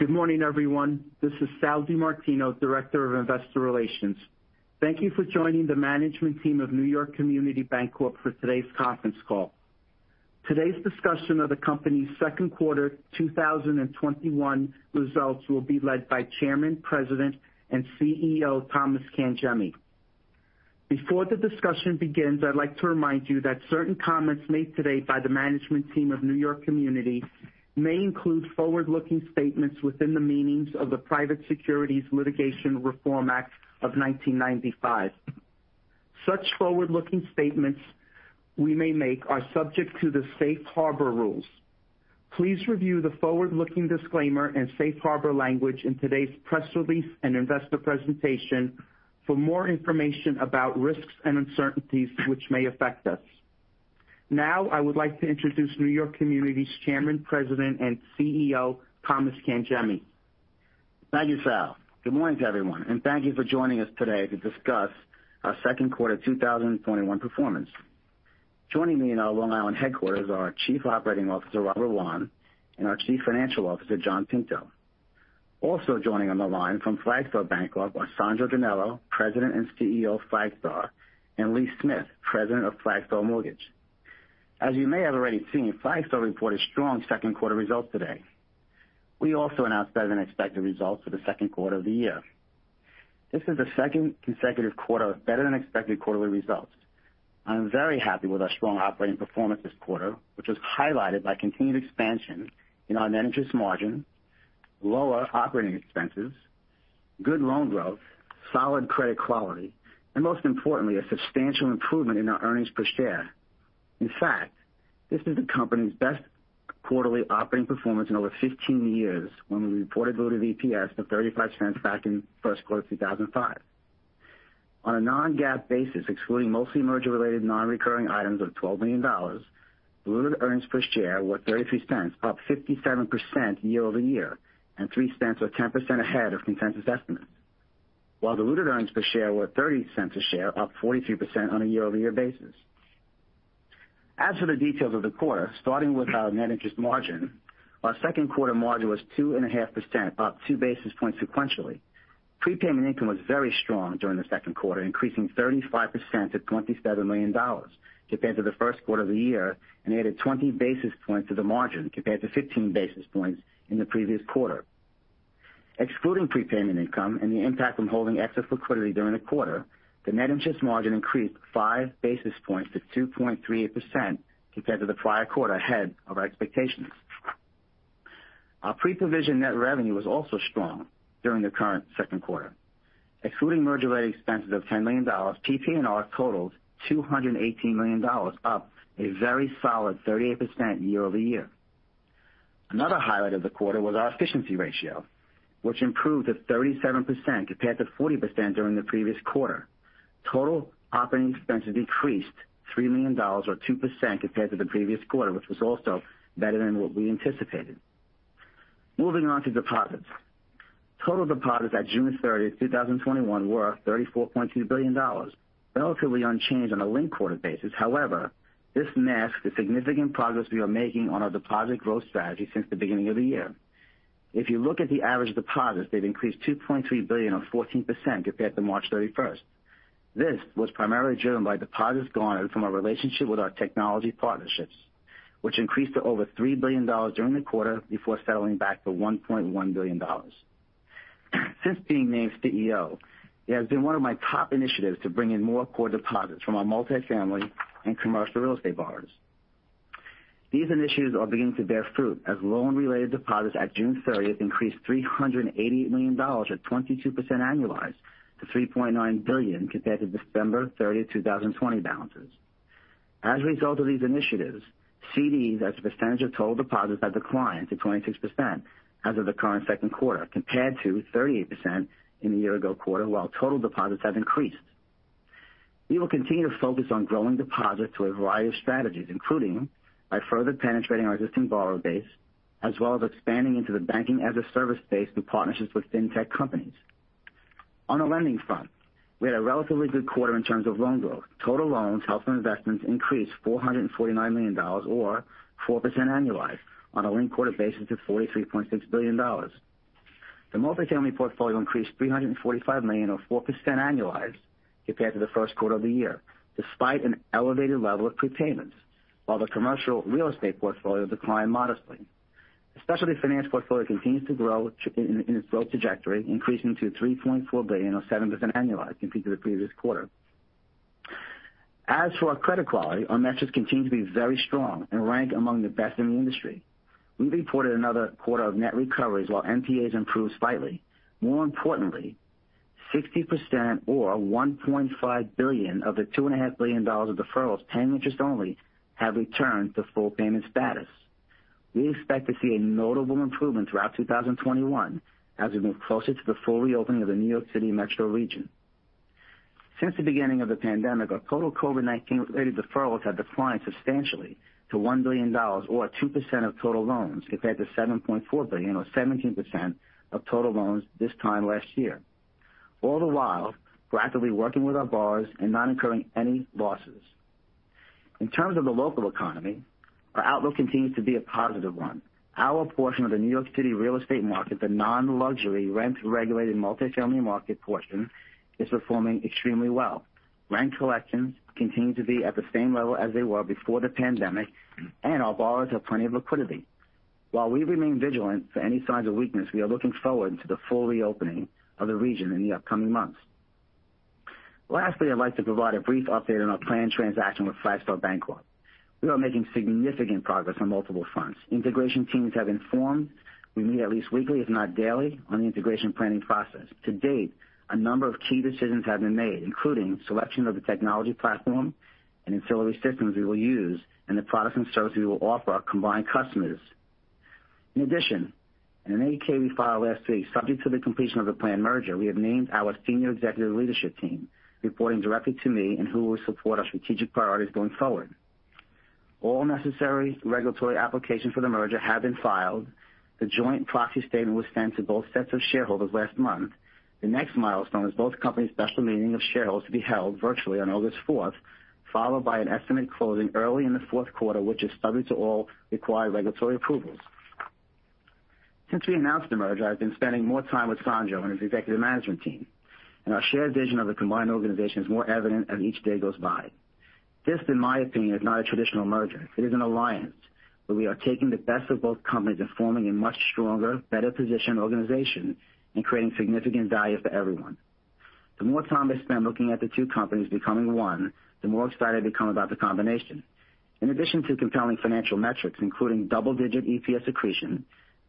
Good morning, everyone. This is Salvatore DiMartino, Director of Investor Relations. Thank you for joining the management team of New York Community Bancorp for today's conference call. Today's discussion of the company's second quarter 2021 results will be led by Chairman, President, and CEO, Thomas Cangemi. Before the discussion begins, I'd like to remind you that certain comments made today by the management team of New York Community may include forward-looking statements within the meanings of the Private Securities Litigation Reform Act of 1995. Such forward-looking statements we may make are subject to the safe harbor rules. Please review the forward-looking disclaimer and safe harbor language in today's press release and investor presentation for more information about risks and uncertainties which may affect us. Now, I would like to introduce New York Community's Chairman, President, and CEO, Thomas Cangemi. Thank you, Sal. Good morning to everyone, thank you for joining us today to discuss our second quarter 2021 performance. Joining me in our Long Island headquarters are our Chief Operating Officer, Robert Wann, and our Chief Financial Officer, John Pinto. Also joining on the line from Flagstar Bancorp are Sandro DiNello, President and CEO of Flagstar, and Lee Smith, President of Flagstar Mortgage. As you may have already seen, Flagstar reported strong second quarter results today. We also announced better-than-expected results for the second quarter of the year. This is the second consecutive quarter of better-than-expected quarterly results. I'm very happy with our strong operating performance this quarter, which was highlighted by continued expansion in our net interest margin, lower operating expenses, good loan growth, solid credit quality, and most importantly, a substantial improvement in our earnings per share. In fact, this is the company's best quarterly operating performance in over 15 years when we reported diluted EPS of $0.35 back in first quarter 2005. On a non-GAAP basis, excluding mostly merger-related non-recurring items of $12 million, diluted earnings per share were $0.33, up 57% year-over-year, and $0.03 or 10% ahead of consensus estimates. While diluted earnings per share were $0.30 a share, up 43% on a year-over-year basis. As for the details of the quarter, starting with our net interest margin, our second quarter margin was 2.5%, up two basis points sequentially. Prepayment income was very strong during the second quarter, increasing 35% to $27 million compared to the first quarter of the year, and added 20 basis points to the margin compared to 15 basis points in the previous quarter. Excluding prepayment income and the impact from holding excess liquidity during the quarter, the net interest margin increased five basis points to 2.38% compared to the prior quarter, ahead of our expectations. Our pre-provision net revenue was also strong during the current second quarter. Excluding merger-related expenses of $10 million, PPNR totals $218 million, up a very solid 38% year-over-year. Another highlight of the quarter was our efficiency ratio, which improved to 37% compared to 40% during the previous quarter. Total operating expenses decreased $3 million or 2% compared to the previous quarter, which was also better than what we anticipated. Moving on to deposits. Total deposits at June 30th, 2021, were $34.2 billion, relatively unchanged on a linked-quarter basis. This masks the significant progress we are making on our deposit growth strategy since the beginning of the year. If you look at the average deposits, they've increased $2.3 billion or 14% compared to March 31st. This was primarily driven by deposits garnered from our relationship with our technology partnerships, which increased to over $3 billion during the quarter before settling back to $1.1 billion. Since being named CEO, it has been one of my top initiatives to bring in more core deposits from our multifamily and commercial real estate borrowers. These initiatives are beginning to bear fruit as loan-related deposits at June 30th increased $380 million at 22% annualized to $3.9 billion compared to December 30, 2020, balances. As a result of these initiatives, CDs as a percentage of total deposits have declined to 26% as of the current second quarter, compared to 38% in the year-ago quarter, while total deposits have increased. We will continue to focus on growing deposits through a variety of strategies, including by further penetrating our existing borrower base, as well as expanding into the banking-as-a-service space through partnerships with fintech companies. On the lending front, we had a relatively good quarter in terms of loan growth. Total loans held for investments increased $449 million or 4% annualized on a linked-quarter basis to $43.6 billion. The multifamily portfolio increased $345 million or 4% annualized compared to the first quarter of the year, despite an elevated level of prepayments, while the commercial real estate portfolio declined modestly. The specialty finance portfolio continues to grow in its growth trajectory, increasing to $3.4 billion or 7% annualized compared to the previous quarter. As for our credit quality, our metrics continue to be very strong and rank among the best in the industry. We reported another quarter of net recoveries while NPAs improved slightly. More importantly, 60% or $1.5 billion of the $2.5 billion of deferrals paying interest only have returned to full payment status. We expect to see a notable improvement throughout 2021 as we move closer to the full reopening of the New York City metro region. Since the beginning of the pandemic, our total COVID-19 related deferrals have declined substantially to $1 billion or 2% of total loans compared to $7.4 billion or 17% of total loans this time last year. All the while, we're actively working with our borrowers and not incurring any losses. In terms of the local economy, our outlook continues to be a positive one. Our portion of the New York City real estate market, the non-luxury rent regulated multifamily market portion, is performing extremely well. Rent collections continue to be at the same level as they were before the pandemic, and our borrowers have plenty of liquidity. While we remain vigilant for any signs of weakness, we are looking forward to the full reopening of the region in the upcoming months. Lastly, I'd like to provide a brief update on our planned transaction with Flagstar Bancorp. We are making significant progress on multiple fronts. Integration teams have been formed. We meet at least weekly, if not daily, on the integration planning process. To date, a number of key decisions have been made, including selection of the technology platform and ancillary systems we will use and the products and services we will offer our combined customers. In addition, in an 8-K we filed last week, subject to the completion of the planned merger, we have named our senior executive leadership team, reporting directly to me and who will support our strategic priorities going forward. All necessary regulatory applications for the merger have been filed. The joint proxy statement was sent to both sets of shareholders last month. The next milestone is both companies' special meeting of shareholders to be held virtually on August 4th, followed by an estimated closing early in the fourth quarter, which is subject to all required regulatory approvals. Since we announced the merger, I've been spending more time with Sandro and his executive management team, and our shared vision of a combined organization is more evident as each day goes by. This, in my opinion, is not a traditional merger. It is an alliance where we are taking the best of both companies and forming a much stronger, better-positioned organization and creating significant value for everyone. The more time I spend looking at the two companies becoming one, the more excited I become about the combination. In addition to compelling financial metrics, including double-digit EPS accretion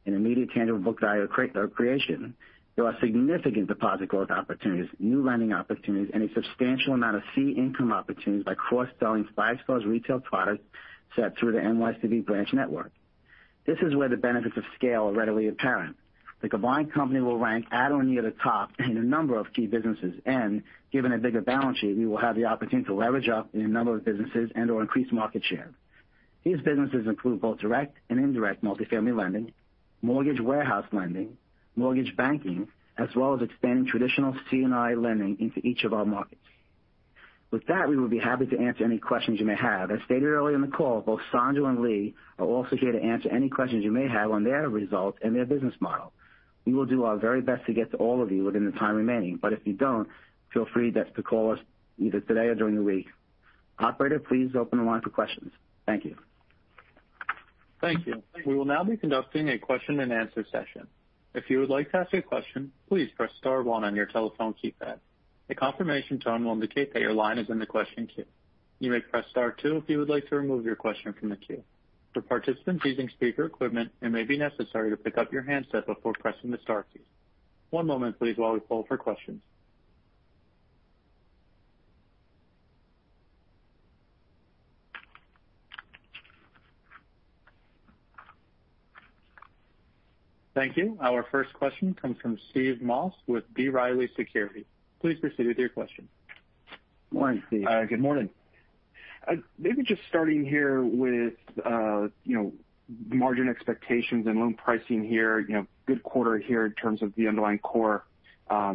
and immediate tangible book value creation, there are significant deposit growth opportunities, new lending opportunities, and a substantial amount of fee income opportunities by cross-selling Flagstar's retail product set through the NYCB branch network. This is where the benefits of scale are readily apparent. The combined company will rank at or near the top in a number of key businesses, and given a bigger balance sheet, we will have the opportunity to leverage up in a number of businesses and/or increase market share. These businesses include both direct and indirect multifamily lending, mortgage warehouse lending, mortgage banking, as well as expanding traditional C&I lending into each of our markets. With that, we would be happy to answer any questions you may have. As stated earlier in the call, both Sandro and Lee are also here to answer any questions you may have on their results and their business model. We will do our very best to get to all of you within the time remaining, but if we don't, feel free just to call us either today or during the week. Operator, please open the line for questions. Thank you. Thank you. We will now be conducting a question-and-answer session. If you would like to ask a question, please press star one on your telephone keypad. A confirmation tone will indicate that your line is in the question queue. You may press star two if you would like to remove your question from the queue. For participants using speaker equipment, it may be necessary to pick up your handset before pressing the star keys. One moment, please, while we poll for questions. Thank you. Our first question comes from Steve Moss with B. Riley Securities. Please proceed with your question. Morning, Steve. Hi. Good morning. Just starting here with margin expectations and loan pricing here. Good quarter here in terms of the underlying core.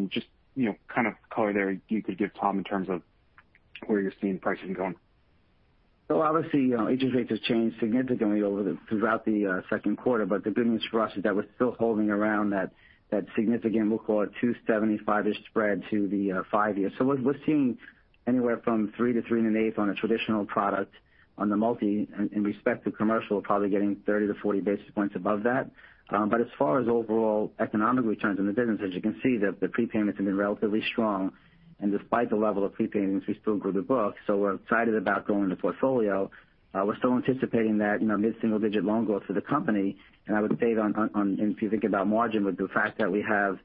Just kind of color there you could give, Tom, in terms of where you're seeing pricing going. Obviously, interest rates have changed significantly throughout the second quarter. The good news for us is that we're still holding around that significant, we'll call it 275-ish spread to the five-year. We're seeing anywhere from 3%-3.125% on a traditional product on the multi, in respect to commercial, probably getting 30-40 basis points above that. As far as overall economic returns in the business, as you can see, the prepayments have been relatively strong, and despite the level of prepayments, we still grew the book. We're excited about growing the portfolio. We're still anticipating that mid-single-digit loan growth for the company. I would say if you think about margin, with the fact that we have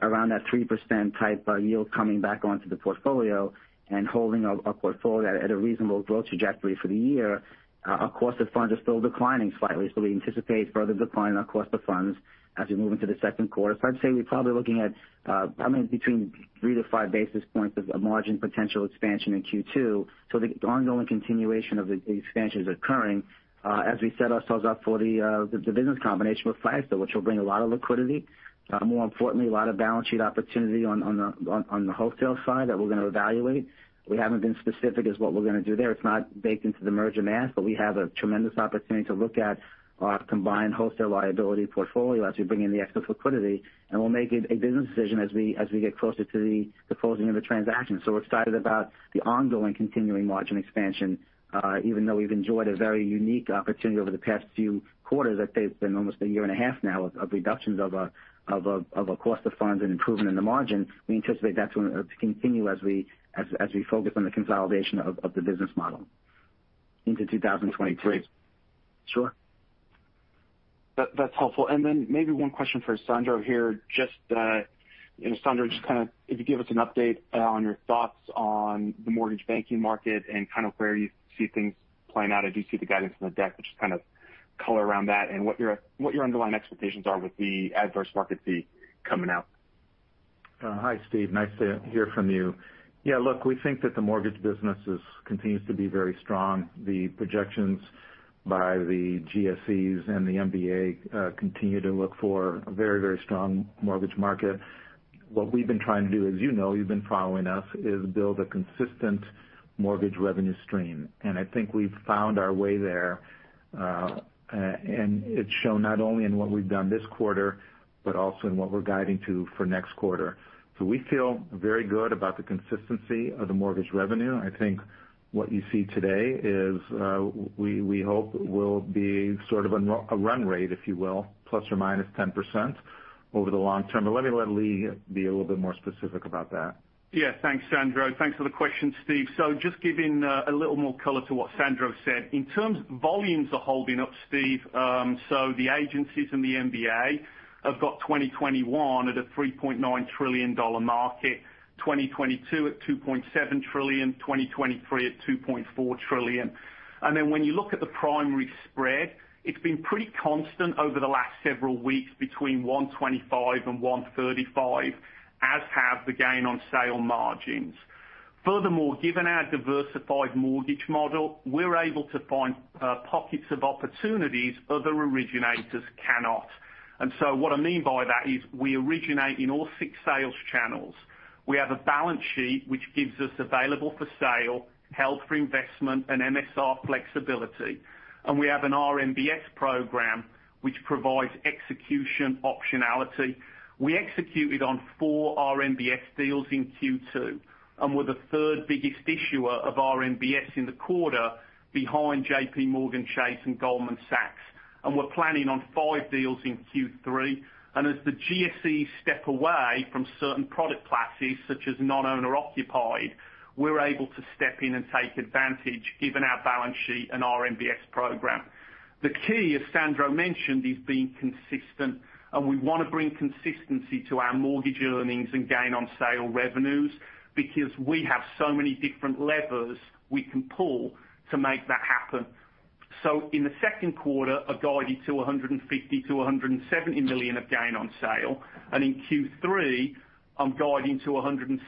around that 3% type yield coming back onto the portfolio and holding our portfolio at a reasonable growth trajectory for the year, our cost of funds is still declining slightly. We anticipate further decline in our cost of funds as we move into the second quarter. I'd say we're probably looking at between three to five basis points of margin potential expansion in Q2. The ongoing continuation of the expansion is occurring as we set ourselves up for the business combination with Flagstar, which will bring a lot of liquidity, more importantly, a lot of balance sheet opportunity on the wholesale side that we're going to evaluate. We haven't been specific as what we're going to do there. It's not baked into the merger math, but we have a tremendous opportunity to look at our combined wholesale liability portfolio as we bring in the excess liquidity, and we'll make a business decision as we get closer to the closing of the transaction. We're excited about the ongoing continuing margin expansion, even though we've enjoyed a very unique opportunity over the past few quarters. I'd say it's been almost a year and a half now of reductions of our cost of funds and improvement in the margin. We anticipate that's going to continue as we focus on the consolidation of the business model into 2023. Sure.That's helpful. Maybe one question for Sandro here. Sandro, just kind of if you give us an update on your thoughts on the mortgage banking market and kind of where you see things playing out. I do see the guidance on the deck, but just kind of color around that and what your underlying expectations are with the adverse market fee coming out. Hi, Steve. Nice to hear from you. Yeah, look, we think that the mortgage business continues to be very strong. The projections by the GSEs and the MBA continue to look for a very strong mortgage market. What we've been trying to do, as you know, you've been following us, is build a consistent mortgage revenue stream. I think we've found our way there, and it's shown not only in what we've done this quarter, but also in what we're guiding to for next quarter. We feel very good about the consistency of the mortgage revenue. I think what you see today is we hope will be sort of a run rate, if you will, ±10% over the long term. Let me let Lee be a little bit more specific about that. Yeah. Thanks, Sandro. Thanks for the question, Steve. Just giving a little more color to what Sandro said. In terms volumes are holding up, Steve. The agencies and the MBA have got 2021 at a $3.9 trillion market, 2022 at $2.7 trillion, 2023 at $2.4 trillion. When you look at the primary spread, it's been pretty constant over the last several weeks between 125 and 135, as have the gain on sale margins. Furthermore, given our diversified mortgage model, we're able to find pockets of opportunities other originators cannot. What I mean by that is we originate in all six sales channels. We have a balance sheet which gives us available-for-sale, held-for-investment, and MSR flexibility. We have an RMBS program which provides execution optionality. We executed on four RMBS deals in Q2, we're the third biggest issuer of RMBS in the quarter behind JPMorgan Chase and Goldman Sachs. We're planning on five deals in Q3. As the GSE step away from certain product classes such as non-owner occupied, we're able to step in and take advantage given our balance sheet and RMBS program. The key, as Sandro mentioned, is being consistent, and we want to bring consistency to our mortgage earnings and gain on sale revenues because we have so many different levers, we can pull to make that happen. In the second quarter, I've guided to $250 million-$270 million of gain on sale. In Q3, I'm guiding to $260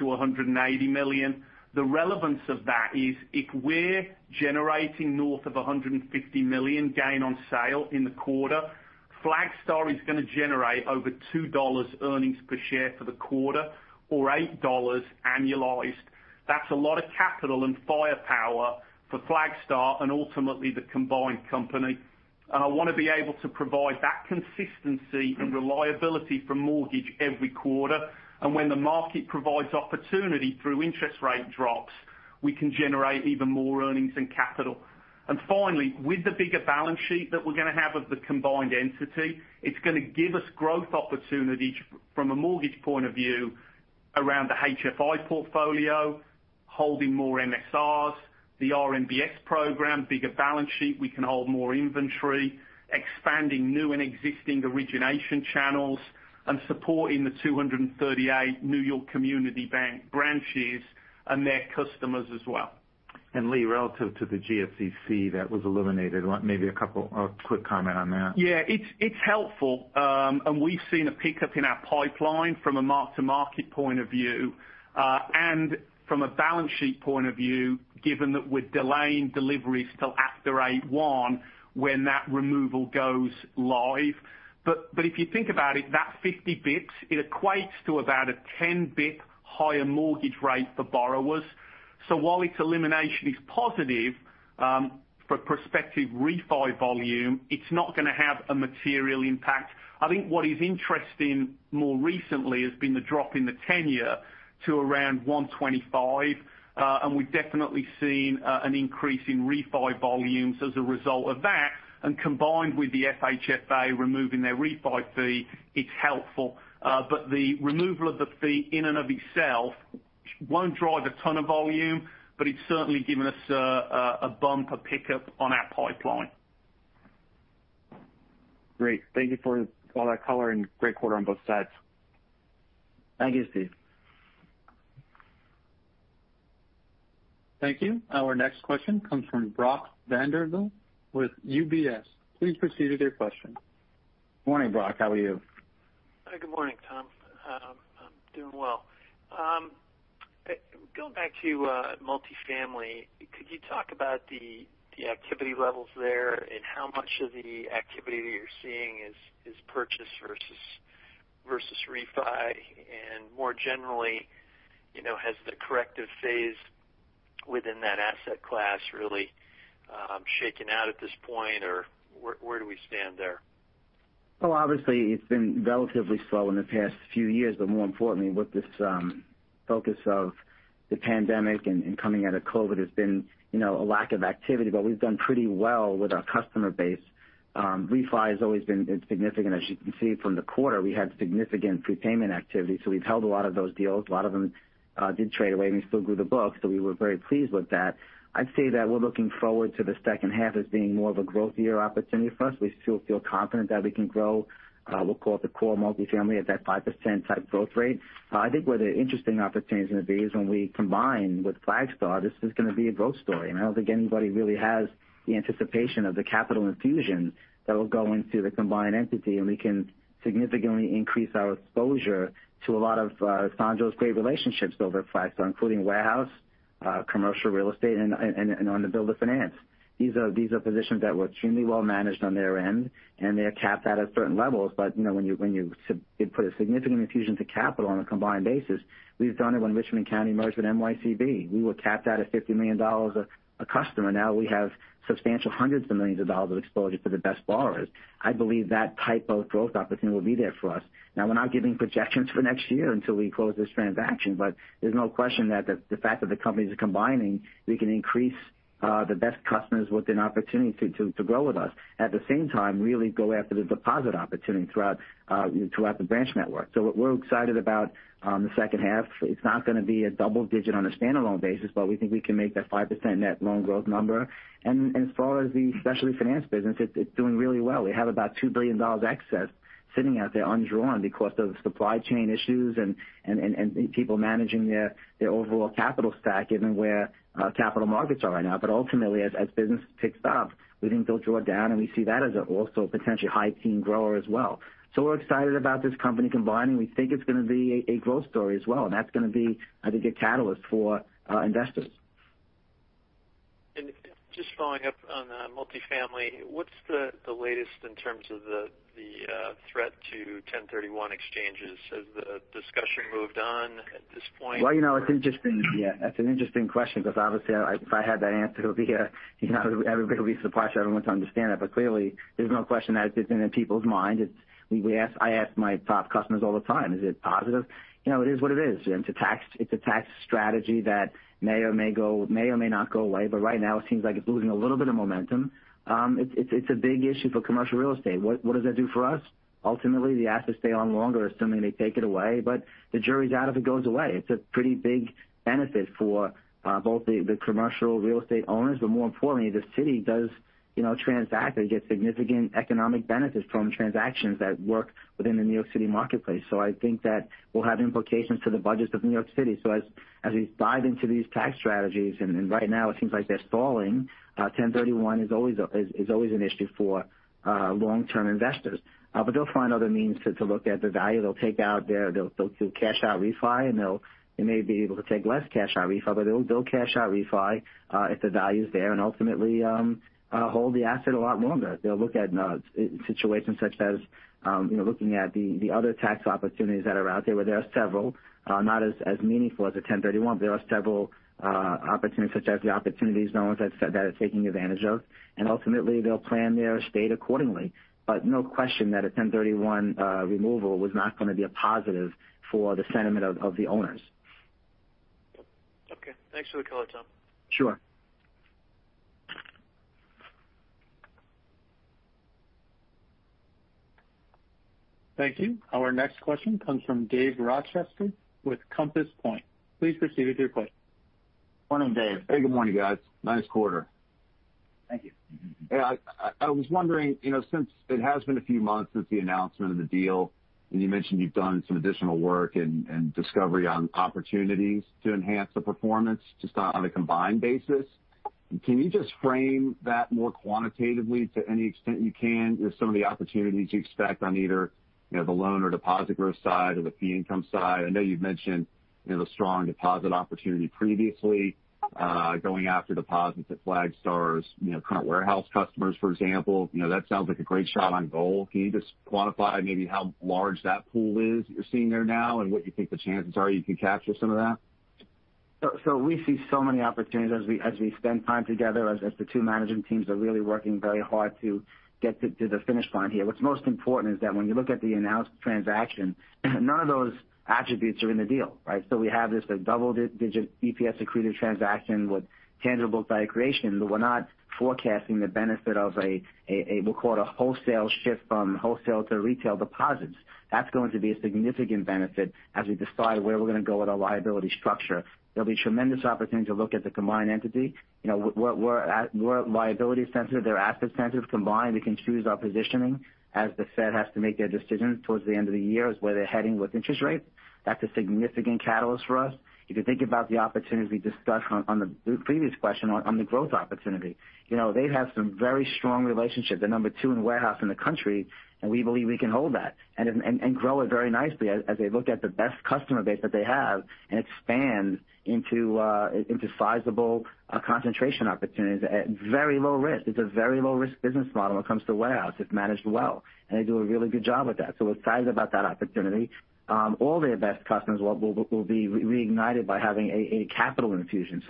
million-$280 million. The relevance of that is if we're generating north of $150 million gain on sale in the quarter, Flagstar is going to generate over $2 earnings per share for the quarter or $8 annualized. That's a lot of capital and firepower for Flagstar and ultimately the combined company. I want to be able to provide that consistency and reliability for mortgage every quarter. When the market provides opportunity through interest rate drops, we can generate even more earnings and capital. Finally, with the bigger balance sheet that we're going to have of the combined entity, it's going to give us growth opportunities from a mortgage point of view around the HFI portfolio, holding more MSRs, the RMBS program, bigger balance sheet, we can hold more inventory, expanding new and existing origination channels, and supporting the 238 New York Community Bank branches and their customers as well. Lee, relative to the GFCC that was eliminated, maybe a couple quick comment on that. Yeah. It's helpful. We've seen a pickup in our pipeline from a mark-to-market point of view, and from a balance sheet point of view, given that we're delaying deliveries till after August 1 when that removal goes live. If you think about it, that 50 basis points, it equates to about a 10-basis point higher mortgage rate for borrowers. While its elimination is positive for prospective refi volume, it's not going to have a material impact. I think what is interesting more recently has been the drop in the 10-year to around 125. We've definitely seen an increase in refi volumes as a result of that. Combined with the FHFA removing their refi fee, it's helpful. The removal of the fee in and of itself won't drive a ton of volume, but it's certainly given us a bump, a pickup on our pipeline. Great. Thank you for all that color and great quarter on both sides. Thank you, Steve. Thank you. Our next question comes from Brock Vandervliet with UBS. Please proceed with your question. Morning, Brock. How are you? Good morning, Tom. I'm doing well. Going back to multifamily, could you talk about the activity levels there and how much of the activity you're seeing is purchase versus refi? More generally, has the corrective phase within that asset class really shaken out at this point or where do we stand there? Obviously it's been relatively slow in the past few years. More importantly, with this focus of the pandemic and coming out of COVID has been a lack of activity. We've done pretty well with our customer base. Refi has always been significant. As you can see from the quarter, we had significant prepayment activity, so we've held a lot of those deals. A lot of them did trade away, and we still grew the book, so we were very pleased with that. I'd say that we're looking forward to the second half as being more of a growth year opportunity for us. We still feel confident that we can grow. We'll call it the core multifamily at that 5% type growth rate. Where the interesting opportunity is going to be is when we combine with Flagstar, this is going to be a growth story. I don't think anybody really has the anticipation of the capital infusion that will go into the combined entity, and we can significantly increase our exposure to a lot of Sandro's great relationships over at Flagstar, including warehouse, commercial real estate, and on the builder finance. These are positions that were extremely well managed on their end, and they are capped at certain levels. When you put a significant infusion to capital on a combined basis, we've done it when Richmond County merged with NYCB. We were capped out at $50 million a customer. Now we have substantial hundreds of millions of dollars of exposure to the best borrowers. I believe that type of growth opportunity will be there for us. We're not giving projections for next year until we close this transaction. There's no question that the fact that the companies are combining, we can increase the best customers with an opportunity to grow with us. At the same time, really go after the deposit opportunity throughout the branch network. What we're excited about the second half, it's not going to be a double-digit on a standalone basis. We think we can make that 5% net loan growth number. As far as the specialty finance business, it's doing really well. We have about $2 billion excess sitting out there undrawn because of supply chain issues and people managing their overall capital stack given where capital markets are right now. Ultimately, as business picks up, we think they'll draw down, and we see that as also a potential high-10 grower as well. We're excited about this company combining. We think it's going to be a growth story as well, and that's going to be, I think, a catalyst for our investors. Just following up on multifamily, what's the latest in terms of the threat to 1031 exchanges? Has the discussion moved on at this point? Well, it's interesting. Yeah. That's an interesting question because obviously if I had that answer, it would be everybody would be surprised for everyone to understand it. Clearly, there's no question that it's been in people's minds. I ask my top customers all the time, is it positive? It is what it is. It's a tax strategy that may or may not go away, but right now it seems like it's losing a little bit of momentum. It's a big issue for commercial real estate. What does that do for us? Ultimately, the assets stay on longer, assuming they take it away, but the jury's out if it goes away. It's a pretty big benefit for both the commercial real estate owners, but more importantly, the city does transact. They get significant economic benefits from transactions that work within the New York City marketplace. I think that will have implications to the budgets of New York City. As we dive into these tax strategies, and right now it seems like they're stalling, 1031 is always an issue for long-term investors. They'll find other means to look at the value. They'll do cash out refi, and they may be able to take less cash out refi. They'll cash out refi if the value is there and ultimately hold the asset a lot longer. They'll look at situations such as looking at the other tax opportunities that are out there, where there are several. Not as meaningful as a 1031. There are several opportunities such as the opportunity zones that are taking advantage of, and ultimately, they'll plan their estate accordingly. No question that a 1031 removal was not going to be a positive for the sentiment of the owners. Okay. Thanks for the color, Tom. Sure. Thank you. Our next question comes from Dave Rochester with Compass Point. Please proceed with your question. Morning, Dave. Hey, good morning, guys. Nice quarter. Thank you. I was wondering, since it has been a few months since the announcement of the deal, and you mentioned you've done some additional work and discovery on opportunities to enhance the performance just on a combined basis. Can you just frame that more quantitatively to any extent you can with some of the opportunities you expect on either the loan or deposit growth side or the fee income side? I know you've mentioned the strong deposit opportunity previously going after deposits at Flagstar's current warehouse customers, for example. That sounds like a great shot on goal. Can you just quantify maybe how large that pool is you're seeing there now and what you think the chances are you can capture some of that? We see so many opportunities as we spend time together, as the two management teams are really working very hard to get to the finish line here. What's most important is that when you look at the announced transaction, none of those attributes are in the deal, right? We have this double-digit EPS accretive transaction with tangible value creation. We're not forecasting the benefit of a, we'll call it a wholesale shift from wholesale to retail deposits. That's going to be a significant benefit as we decide where we're going to go with our liability structure. There'll be tremendous opportunity to look at the combined entity. We're a liability center. They're asset centers. Combined, we can choose our positioning as the Fed has to make their decisions towards the end of the year is where they're heading with interest rates. That's a significant catalyst for us. If you think about the opportunity, we discussed on the previous question on the growth opportunity. They have some very strong relationships. They're number two in warehouse in the country, and we believe we can hold that and grow it very nicely as they look at the best customer base that they have and expand into sizable concentration opportunities at very low risk. It's a very low-risk business model when it comes to warehouse. It's managed well, and they do a really good job with that. We're excited about that opportunity. All their best customers will be reignited by having a capital infusion.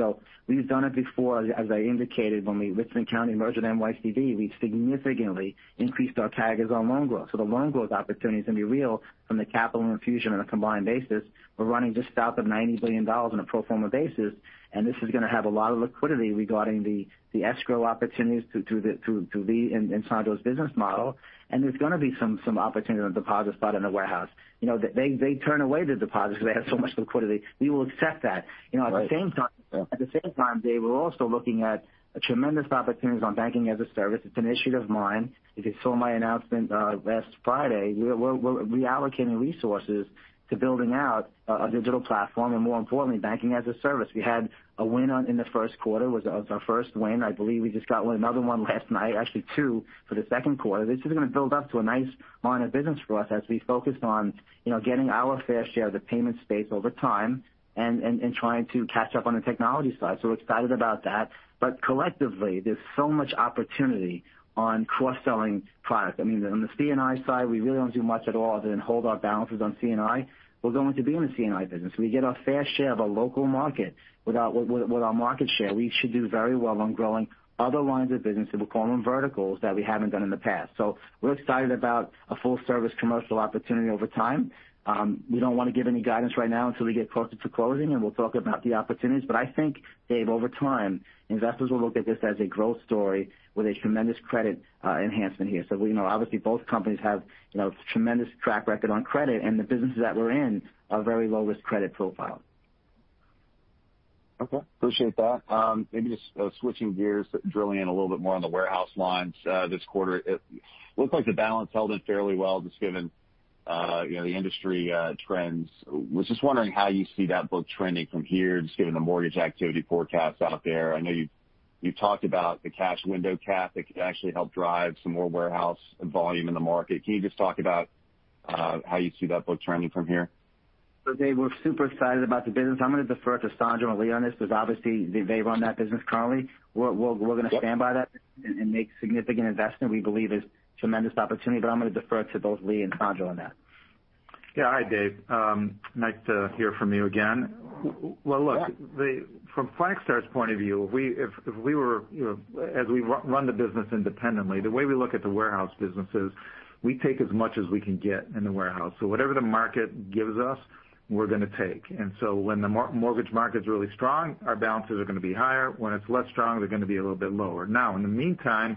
We've done it before. As I indicated, when Richmond County merged with NYCB, we significantly increased our tack-ons on loan growth. The loan growth opportunity is going to be real from the capital infusion on a combined basis. We're running just south of $90 billion on a pro forma basis. This is going to have a lot of liquidity regarding the escrow opportunities to be inside those business model. There's going to be some opportunity on the deposit side in the warehouse. They turn away the deposits because they have so much liquidity. We will accept that. Right. Yeah. At the same time, Dave, we're also looking at tremendous opportunities on banking as a service. It's an initiative of mine. If you saw my announcement last Friday, we're reallocating resources to building out a digital platform and more importantly, banking as a service. We had a win in the first quarter. It was our first win. I believe we just got another one last night, actually two for the second quarter. This is going to build up to a nice line of business for us as we focus on getting our fair share of the payment space over time and trying to catch up on the technology side. We're excited about that. Collectively, there's so much opportunity on cross-selling product. I mean, on the C&I side, we really don't do much at all other than hold our balances on C&I. We're going to be in the C&I business. We get our fair share of a local market with our market share. We should do very well on growing other lines of business that we call them verticals that we haven't done in the past. We're excited about a full-service commercial opportunity over time. We don't want to give any guidance right now until we get closer to closing, and we'll talk about the opportunities. I think, Dave, over time, investors will look at this as a growth story with a tremendous credit enhancement here. We know obviously both companies have tremendous track record on credit, and the businesses that we're in are very low-risk credit profile. Okay, appreciate that. Maybe just switching gears, drilling in a little bit more on the warehouse lines this quarter. It looks like the balance held in fairly well, just given the industry trends. I was just wondering how you see that book trending from here, just given the mortgage activity forecasts out there. I know you've talked about the cash window cap that could actually help drive some more warehouse volume in the market. Can you just talk about how you see that book trending from here? Dave, we're super excited about the business. I'm going to defer to Sandro and Lee on this because obviously they run that business currently. We're going to stand by that and make significant investment. We believe there's tremendous opportunity, I'm going to defer to both Lee and Sandro on that. Yeah. Hi, Dave. Nice to hear from you again. Well. Yeah From Flagstar's point of view, as we run the business independently, the way we look at the warehouse business is we take as much as we can get in the warehouse. Whatever the market gives us, we're going to take. When the mortgage market's really strong, our balances are going to be higher. When it's less strong, they're going to be a little bit lower. In the meantime,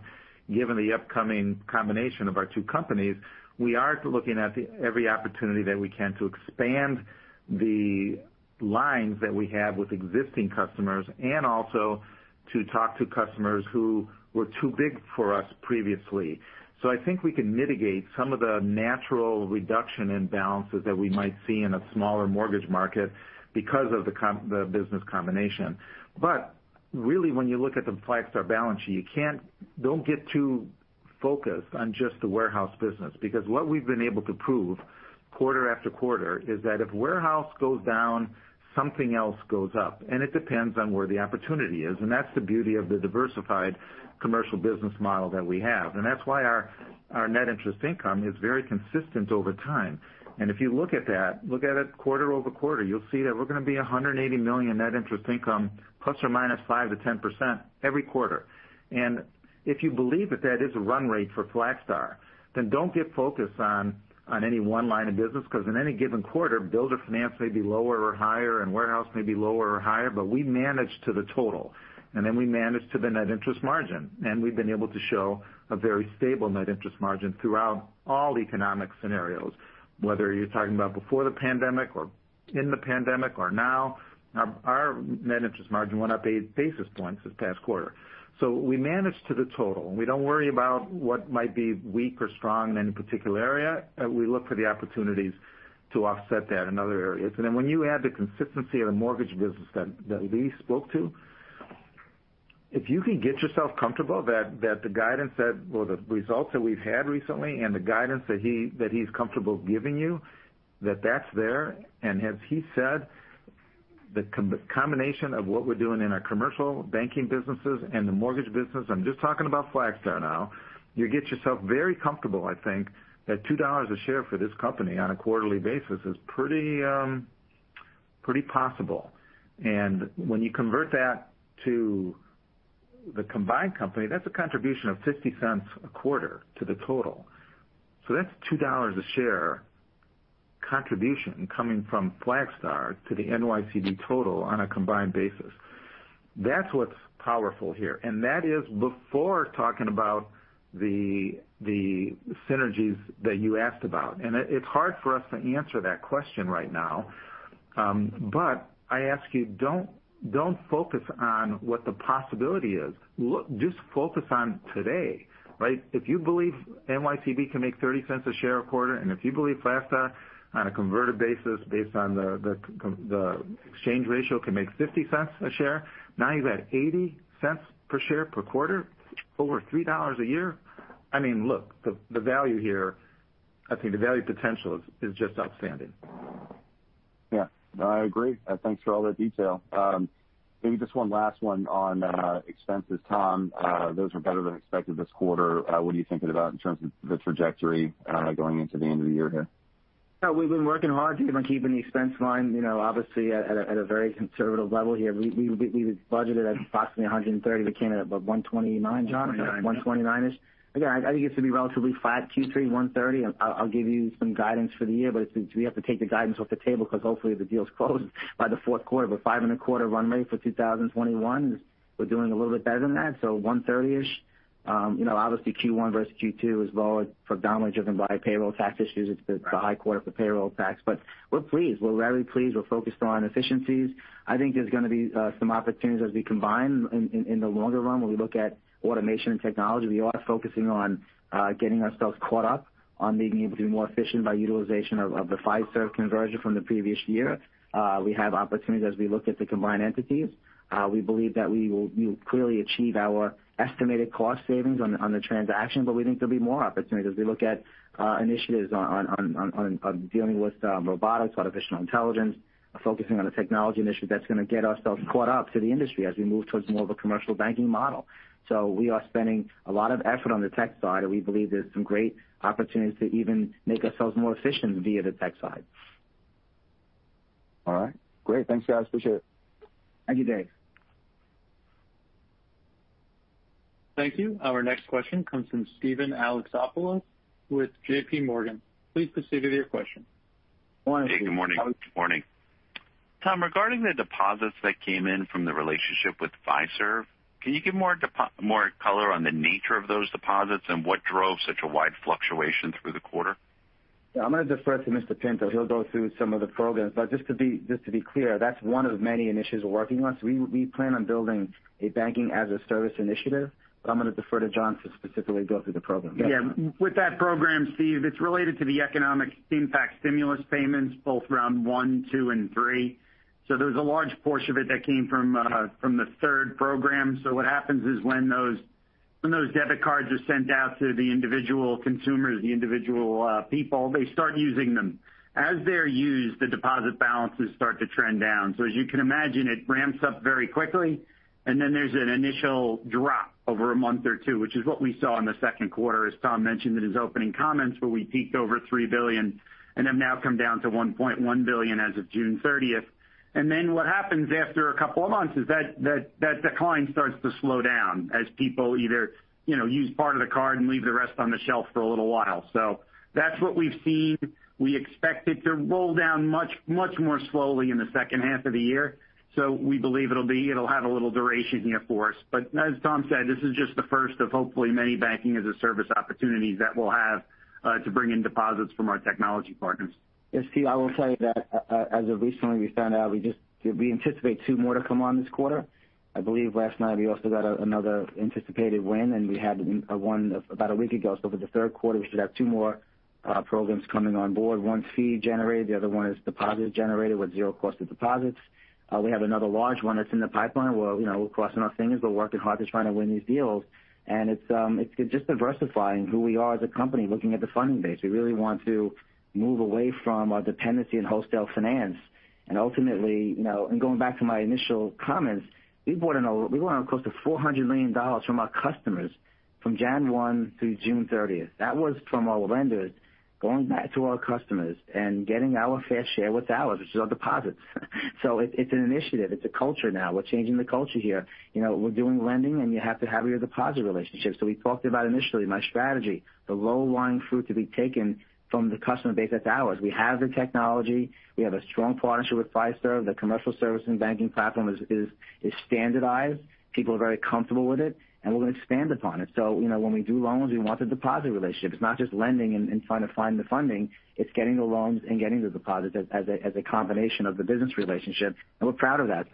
given the upcoming combination of our two companies, we are looking at every opportunity that we can to expand the lines that we have with existing customers and also to talk to customers who were too big for us previously. I think we can mitigate some of the natural reduction in balances that we might see in a smaller mortgage market because of the business combination. Really, when you look at the Flagstar balance sheet, don't get too focused on just the warehouse business because what we've been able to prove quarter after quarter is that if warehouse goes down, something else goes up. It depends on where the opportunity is, and that's the beauty of the diversified commercial business model that we have. That's why our net interest income is very consistent over time. If you look at that, look at it quarter over quarter, you'll see that we're going to be $180 million net interest income ±5%-10% every quarter. If you believe that that is a run rate for Flagstar, then don't get focused on any one line of business because in any given quarter, builder finance may be lower or higher, and warehouse may be lower or higher, but we manage to the total, and then we manage to the net interest margin. We've been able to show a very stable net interest margin throughout all economic scenarios. Whether you're talking about before the pandemic or in the pandemic or now, our net interest margin went up eight basis points this past quarter. We manage to the total. We don't worry about what might be weak or strong in any particular area. We look for the opportunities to offset that in other areas. When you add the consistency of the mortgage business that Lee spoke to, if you can get yourself comfortable that the results that we've had recently and the guidance that he's comfortable giving you, that that's there, and as he said, the combination of what we're doing in our commercial banking businesses and the mortgage business, I'm just talking about Flagstar now. You get yourself very comfortable I think that $2 a share for this company on a quarterly basis is pretty possible. When you convert that to the combined company, that's a contribution of $0.50 a quarter to the total. That's $2 a share contribution coming from Flagstar to the NYCB total on a combined basis. That's what's powerful here, and that is before talking about the synergies that you asked about. It's hard for us to answer that question right now. I ask you, don't focus on what the possibility is. Just focus on today, right? If you believe NYCB can make $0.30 a share a quarter, and if you believe Flagstar on a converted basis based on the exchange ratio can make $0.50 a share. Now you're at $0.80 per share per quarter, over $3 a year. I mean, look, the value potential is just outstanding. Yeah, I agree. Thanks for all that detail. Maybe just one last one on expenses. Tom, those were better than expected this quarter. What are you thinking about in terms of the trajectory going into the end of the year here? We've been working hard, Dave, on keeping the expense line obviously at a very conservative level here. We would budget it at approximately $130. We came in at about $129, Tom. 129. $129-ish. I think it's going to be relatively flat, Q3 $130. I'll give you some guidance for the year, we have to take the guidance off the table because hopefully the deal's closed by the fourth quarter. We're $5.25 run rate for 2021. We're doing a little bit better than that, $130-ish. Obviously Q1 versus Q2 is lower predominantly driven by payroll tax issues. It's the high quarter for payroll tax. We're pleased. We're very pleased. We're focused on efficiencies. I think there's going to be some opportunities as we combine in the longer run when we look at automation and technology. We are focusing on getting ourselves caught up on being able to be more efficient by utilization of the Fiserv conversion from the previous year. We have opportunities as we look at the combined entities. We believe that we will clearly achieve our estimated cost savings on the transaction. We think there'll be more opportunities as we look at initiatives on dealing with robotics, artificial intelligence, focusing on the technology initiatives. That's going to get ourselves caught up to the industry as we move towards more of a commercial banking model. We are spending a lot of effort on the tech side, and we believe there's some great opportunities to even make ourselves more efficient via the tech side. All right. Great. Thanks, guys. Appreciate it. Thank you, Dave. Thank you. Our next question comes from Steven Alexopoulos with JPMorgan. Please proceed with your question. Hey, good morning. Good morning. Tom, regarding the deposits that came in from the relationship with Fiserv, can you give more color on the nature of those deposits and what drove such a wide fluctuation through the quarter? Yeah. I'm going to defer to Mr. Pinto. He'll go through some of the programs. Just to be clear, that's one of many initiatives we're working on. We plan on building a banking-as-a-service initiative, but I'm going to defer to John to specifically go through the program. With that program, Steve, it's related to the economic impact stimulus payments, both round one, two, and three. There's a large portion of it that came from the third program. What happens is when those debit cards are sent out to the individual consumers, the individual people, they start using them. As they're used, the deposit balances start to trend down. As you can imagine, it ramps up very quickly, and then there's an initial drop over a month or two, which is what we saw in the second quarter, as Tom mentioned in his opening comments, where we peaked over $3 billion and have now come down to $1.1 billion as of June 30th. What happens after a couple of months is that decline starts to slow down as people either use part of the card and leave the rest on the shelf for a little while. That's what we've seen. We expect it to roll down much more slowly in the second half of the year. We believe it'll have a little duration here for us. As Tom said, this is just the first of hopefully many banking-as-a-service opportunities that we'll have to bring in deposits from our technology partners. Yeah. Steve, I will tell you that as of recently, we found out we anticipate two more to come on this quarter. I believe last night we also got another anticipated win, and we had one about a week ago. For the third quarter, we should have two more programs coming on board. One's fee generated, the other one is deposit generated with zero cost of deposits. We have another large one that's in the pipeline where we're crossing our fingers. We're working hard to try to win these deals, and it's just diversifying who we are as a company, looking at the funding base. We really want to move away from our dependency on wholesale finance. Ultimately, and going back to my initial comments, we want close to $400 million from our customers from January 1 through June 30th. That was from our lenders going back to our customers and getting our fair share, what's ours, which is our deposits. It's an initiative. It's a culture now. We're changing the culture here. We're doing lending, and you have to have your deposit relationships. We talked about initially my strategy, the low-lying fruit to be taken from the customer base that's ours. We have the technology. We have a strong partnership with Flagstar. The commercial servicing banking platform is standardized. People are very comfortable with it, and we're going to expand upon it. When we do loans, we want the deposit relationship. It's not just lending and trying to find the funding. It's getting the loans and getting the deposits as a combination of the business relationship, and we're proud of that.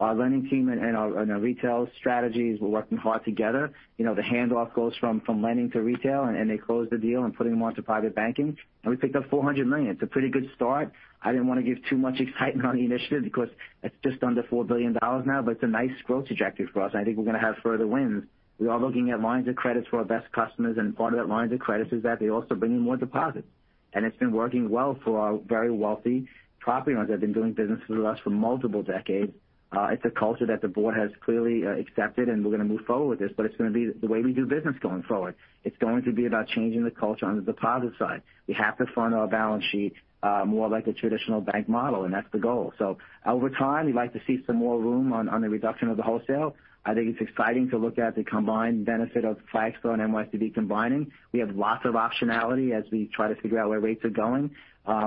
Our lending team and our retail strategies, we're working hard together. The handoff goes from lending to retail, they close the deal and put them onto private banking. We picked up $400 million. It's a pretty good start. I didn't want to give too much excitement on the initiative because it's just under $4 billion now, but it's a nice growth trajectory for us, and I think we're going to have further wins. We are looking at lines of credits for our best customers, and part of that line of credits is that they also bring in more deposits. It's been working well for our very wealthy property owners that have been doing business with us for multiple decades. It's a culture that the board has clearly accepted, and we're going to move forward with this, but it's going to be the way we do business going forward. It's going to be about changing the culture on the deposit side. We have to fund our balance sheet more like a traditional bank model, and that's the goal. Over time, we'd like to see some more room on the reduction of the wholesale. I think it's exciting to look at the combined benefit of Flagstar and NYCB combining. We have lots of optionality as we try to figure out where rates are going.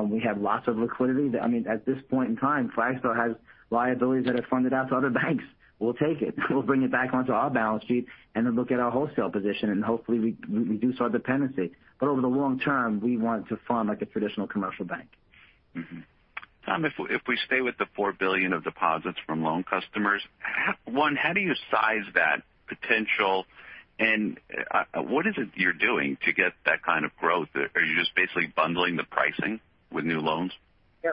We have lots of liquidity. At this point in time, Flagstar has liabilities that are funded out to other banks. We'll take it. We'll bring it back onto our balance sheet and then look at our wholesale position, and hopefully reduce our dependency. Over the long term, we want to fund like a traditional commercial bank. Tom, if we stay with the $4 billion of deposits from loan customers, one, how do you size that potential, and what is it you're doing to get that kind of growth? Are you just basically bundling the pricing with new loans? Yeah.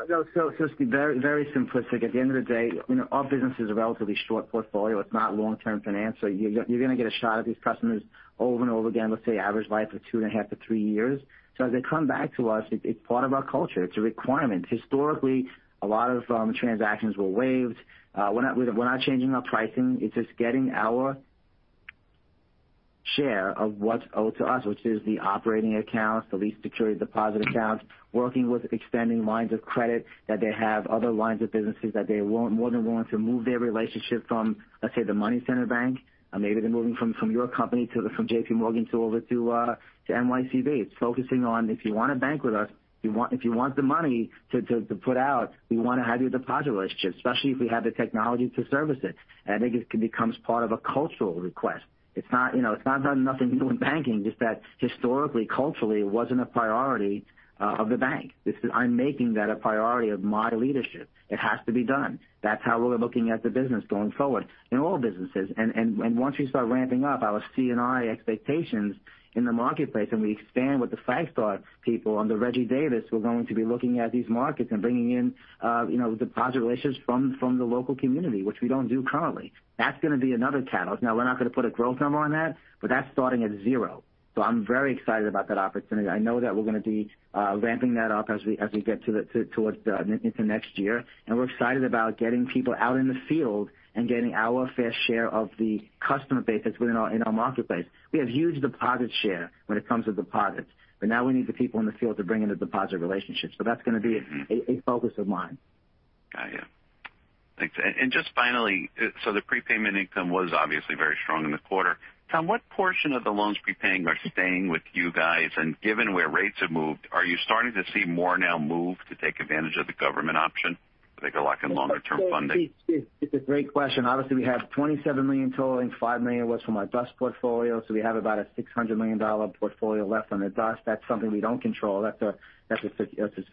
Just to be very simplistic, at the end of the day, our business is a relatively short portfolio. It's not long-term finance. You're going to get a shot of these customers over and over again. Let's say average life of 2.5 to three years. As they come back to us, it's part of our culture. It's a requirement. Historically, a lot of transactions were waived. We're not changing our pricing. It's just getting our share of what's owed to us, which is the operating accounts, the lease security deposit accounts, working with extending lines of credit that they have other lines of businesses that they're more than willing to move their relationship from, let's say, the money center bank, maybe they're moving from your company, from JPMorgan to over to NYCB. It's focusing on if you want to bank with us, if you want the money to put out, we want to have your deposit relationship, especially if we have the technology to service it. I think it becomes part of a cultural request. It's not nothing new in banking, just that historically, culturally, it wasn't a priority of the bank. I'm making that a priority of my leadership. It has to be done. That's how we're looking at the business going forward in all businesses. Once we start ramping up our C&I expectations in the marketplace and we expand with the Flagstar people under Reginald Davis, we're going to be looking at these markets and bringing in deposit relationships from the local community, which we don't do currently. That's going to be another catalyst. We're not going to put a growth number on that, but that's starting at zero. I'm very excited about that opportunity. I know that we're going to be ramping that up as we get towards into next year. We're excited about getting people out in the field and getting our fair share of the customer base that's within our marketplace. We have huge deposit share when it comes to deposits, but now we need the people in the field to bring in the deposit relationships. That's going to be a focus of mine. Got you. Thanks. Just finally, the prepayment income was obviously very strong in the quarter. Tom, what portion of the loans prepaying are staying with you guys? Given where rates have moved, are you starting to see more now move to take advantage of the government option? Make a lock and longer-term funding. It's a great question. We have $27 million totaling. $5 million was from our DUS portfolio. We have about a $600 million portfolio left on the DUS. That's something we don't control. That's a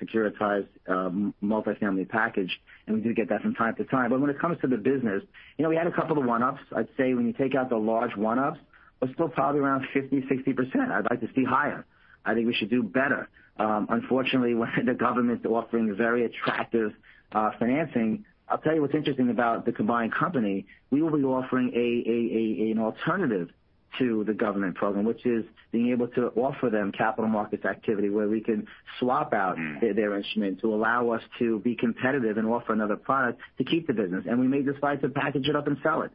securitized multifamily package. We do get that from time to time. When it comes to the business, we had a couple of one-offs. I'd say when you take out the large one-offs, we're still probably around 50%, 60%. I'd like to see higher. I think we should do better. Unfortunately, when the government's offering very attractive financing. I'll tell you what's interesting about the combined company, we will be offering an alternative to the government program, which is being able to offer them capital markets activity where we can swap out their instrument to allow us to be competitive and offer another product to keep the business. We may decide to package it up and sell it.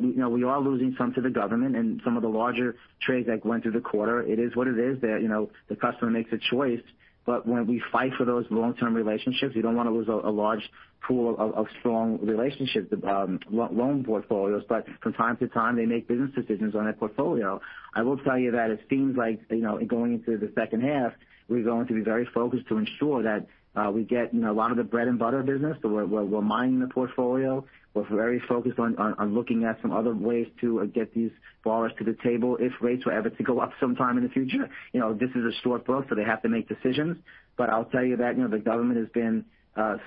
We are losing some to the government and some of the larger trades that went through the quarter. It is what it is. The customer makes a choice. When we fight for those long-term relationships, we don't want to lose a large pool of strong relationships, loan portfolios. From time to time, they make business decisions on that portfolio. I will tell you that it seems like, going into the second half, we're going to be very focused to ensure that we get a lot of the bread-and-butter business. We're mining the portfolio. We're very focused on looking at some other ways to get these borrowers to the table if rates were ever to go up sometime in the future. This is a short book, so they have to make decisions. I'll tell you that. The government has been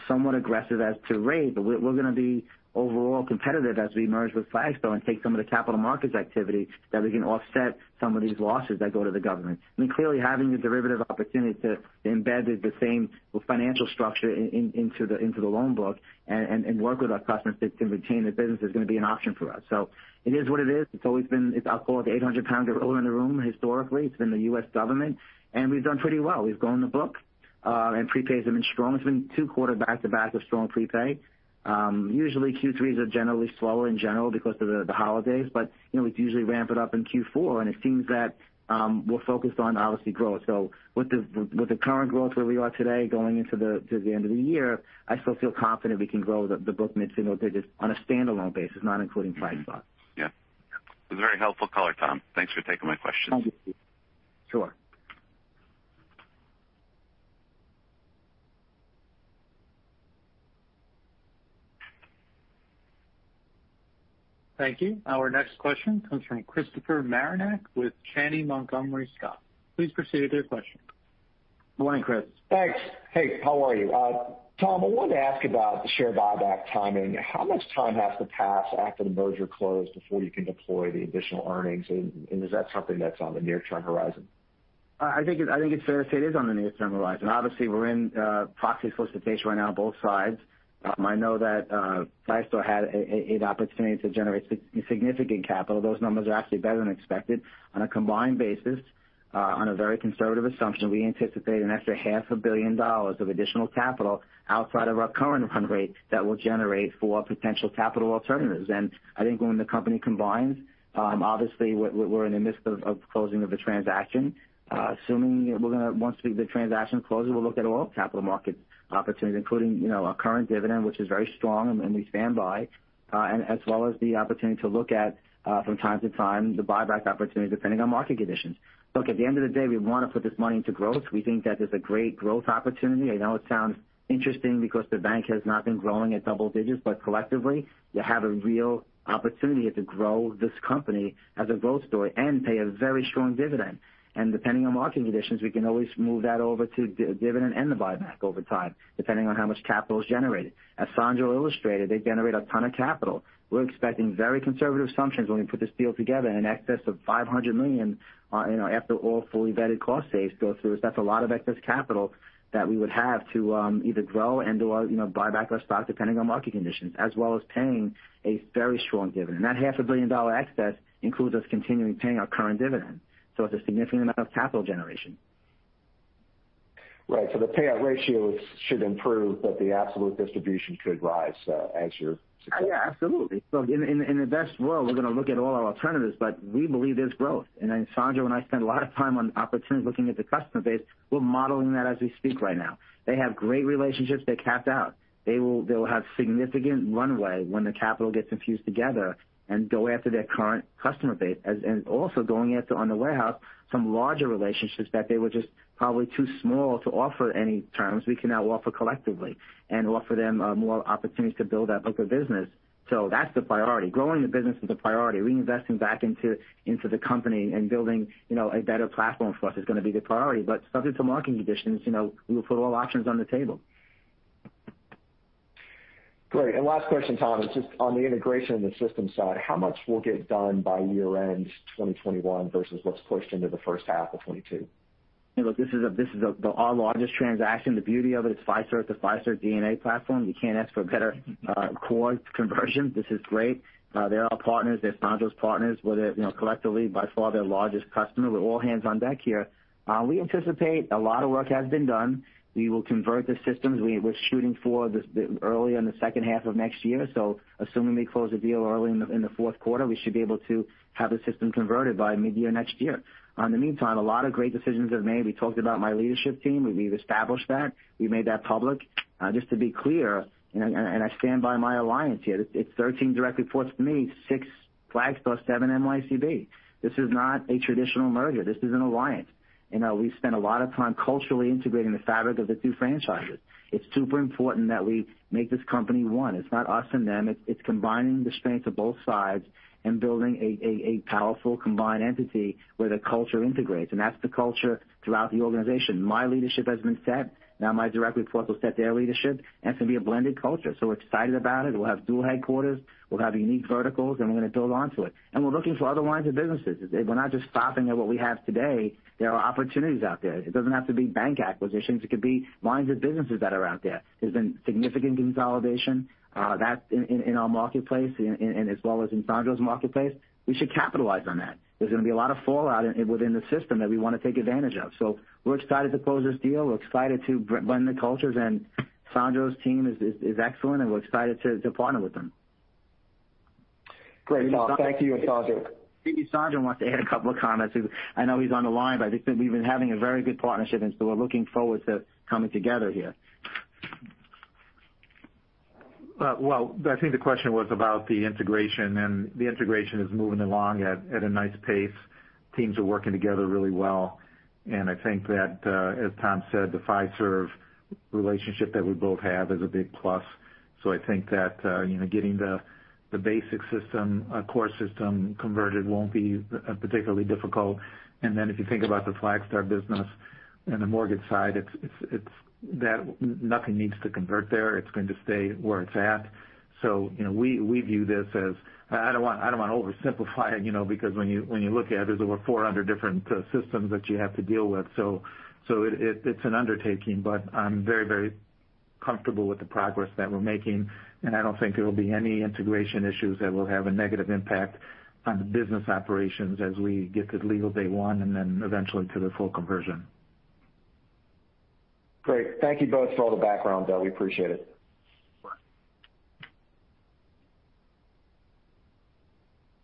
somewhat aggressive as to rates. We're going to be overall competitive as we merge with Flagstar and take some of the capital markets activity that we can offset some of these losses that go to the government. I mean, clearly, having the derivative opportunity to embed the same financial structure into the loan book and work with our customers to retain the business is going to be an option for us. It is what it is. It's always been. I call it the 800-lb gorilla in the room. Historically, it's been the U.S. government, and we've done pretty well. We've grown the book, and prepay has been strong. It's been two quarters back-to-back of strong prepay. Usually Q3s are generally slower in general because of the holidays, but we usually ramp it up in Q4, and it seems that we're focused on, obviously, growth. With the current growth where we are today, going into the end of the year, I still feel confident we can grow the book mid-single digits on a standalone basis, not including Flagstar. Yeah. It was a very helpful color, Tom. Thanks for taking my question. Thank you, Steve. Sure. Thank you. Our next question comes from Christopher Marinac with Janney Montgomery Scott. Please proceed with your question. Good morning, Chris. Thanks. Hey, how are you? Tom, I wanted to ask about the share buyback timing. How much time has to pass after the merger closed before you can deploy the additional earnings? Is that something that's on the near-term horizon? I think it's fair to say it is on the near-term horizon. We're in proxy solicitation right now, both sides. I know that Flagstar had an opportunity to generate significant capital. Those numbers are actually better than expected. On a combined basis, on a very conservative assumption, we anticipate an extra $0.5 billion of additional capital outside of our current run rate that will generate for potential capital alternatives. I think when the company combines, we're in the midst of closing of the transaction. Assuming once the transaction closes, we'll look at all capital market opportunities, including our current dividend, which is very strong, and we stand by, as well as the opportunity to look at, from time to time, the buyback opportunity, depending on market conditions. At the end of the day, we want to put this money into growth. We think that there's a great growth opportunity in our town. Interesting because the bank has not been growing at double digits, but collectively, you have a real opportunity here to grow this company as a growth story and pay a very strong dividend. Depending on market conditions, we can always move that over to dividend and the buyback over time, depending on how much capital is generated. Sandro illustrated, they generate a ton of capital. We're expecting very conservative assumptions when we put this deal together in excess of $500 million after all fully vetted cost saves go through. That's a lot of excess capital that we would have to either grow and/or buy back our stock, depending on market conditions, as well as paying a very strong dividend. That half a billion-dollar excess includes us continuing paying our current dividend. It's a significant amount of capital generation. Right. The payout ratios should improve, but the absolute distribution could rise as you're successful. Yeah, absolutely. In the best world, we're going to look at all our alternatives, but we believe there's growth. Sandro and I spend a lot of time on opportunities looking at the customer base. We're modeling that as we speak right now. They have great relationships. They're capped out. They will have significant runway when the capital gets infused together and go after their current customer base, and also going after on the warehouse some larger relationships that they were just probably too small to offer any terms we can now offer collectively and offer them more opportunities to build out a good business. That's the priority. Growing the business is a priority. Reinvesting back into the company and building a better platform for us is going to be the priority. Subject to marketing conditions, we'll put all options on the table. Great. Last question, Tom. It's just on the integration of the system side. How much will get done by year-end 2021 versus what's pushed into the first half of 2022? Look, this is our largest transaction. The beauty of it is Fiserv. It's a Fiserv DNA platform. You can't ask for a better core conversion. This is great. They're our partners. They're Sandro's partners. We're collectively, by far, their largest customer. We're all hands on deck here. We anticipate a lot of work has been done. We will convert the systems. We're shooting for early in the second half of next year. Assuming we close the deal early in the fourth quarter, we should be able to have the system converted by mid-year next year. In the meantime, a lot of great decisions are made. We talked about my leadership team. We've established that. We made that public. Just to be clear, and I stand by my alliance here, it's 13 directly reports to me, six Flagstar, seven NYCB. This is not a traditional merger. This is an alliance. We've spent a lot of time culturally integrating the fabric of the two franchises. It's super important that we make this company one. It's not us and them. It's combining the strengths of both sides and building a powerful combined entity where the culture integrates, and that's the culture throughout the organization. My leadership has been set. My direct reports will set their leadership. It's going to be a blended culture. We're excited about it. We'll have dual headquarters, we'll have unique verticals, and we're going to build onto it. We're looking for other lines of businesses. We're not just stopping at what we have today. There are opportunities out there. It doesn't have to be bank acquisitions. It could be lines of businesses that are out there. There's been significant consolidation in our marketplace as well as in Sandro's marketplace. We should capitalize on that. There's going to be a lot of fallout within the system that we want to take advantage of. We're excited to close this deal. We're excited to blend the cultures, and Sandro's team is excellent, and we're excited to partner with them. Great. Tom, thank you. Sandro. Maybe Sandro wants to add a couple of comments. I know he's on the line, I just think we've been having a very good partnership, we're looking forward to coming together here. I think the question was about the integration. The integration is moving along at a nice pace. Teams are working together really well. I think that, as Tom said, the Fiserv relationship that we both have is a big plus. I think that getting the basic system, core system converted won't be particularly difficult. If you think about the Flagstar business and the mortgage side, nothing needs to convert there. It's going to stay where it's at. We view this as, I don't want to oversimplify it, because when you look at it, there's over 400 different systems that you have to deal with. It's an undertaking, but I'm very comfortable with the progress that we're making, and I don't think there will be any integration issues that will have a negative impact on the business operations as we get to legal day one and then eventually to the full conversion. Great. Thank you both for all the background, though. We appreciate it. Sure.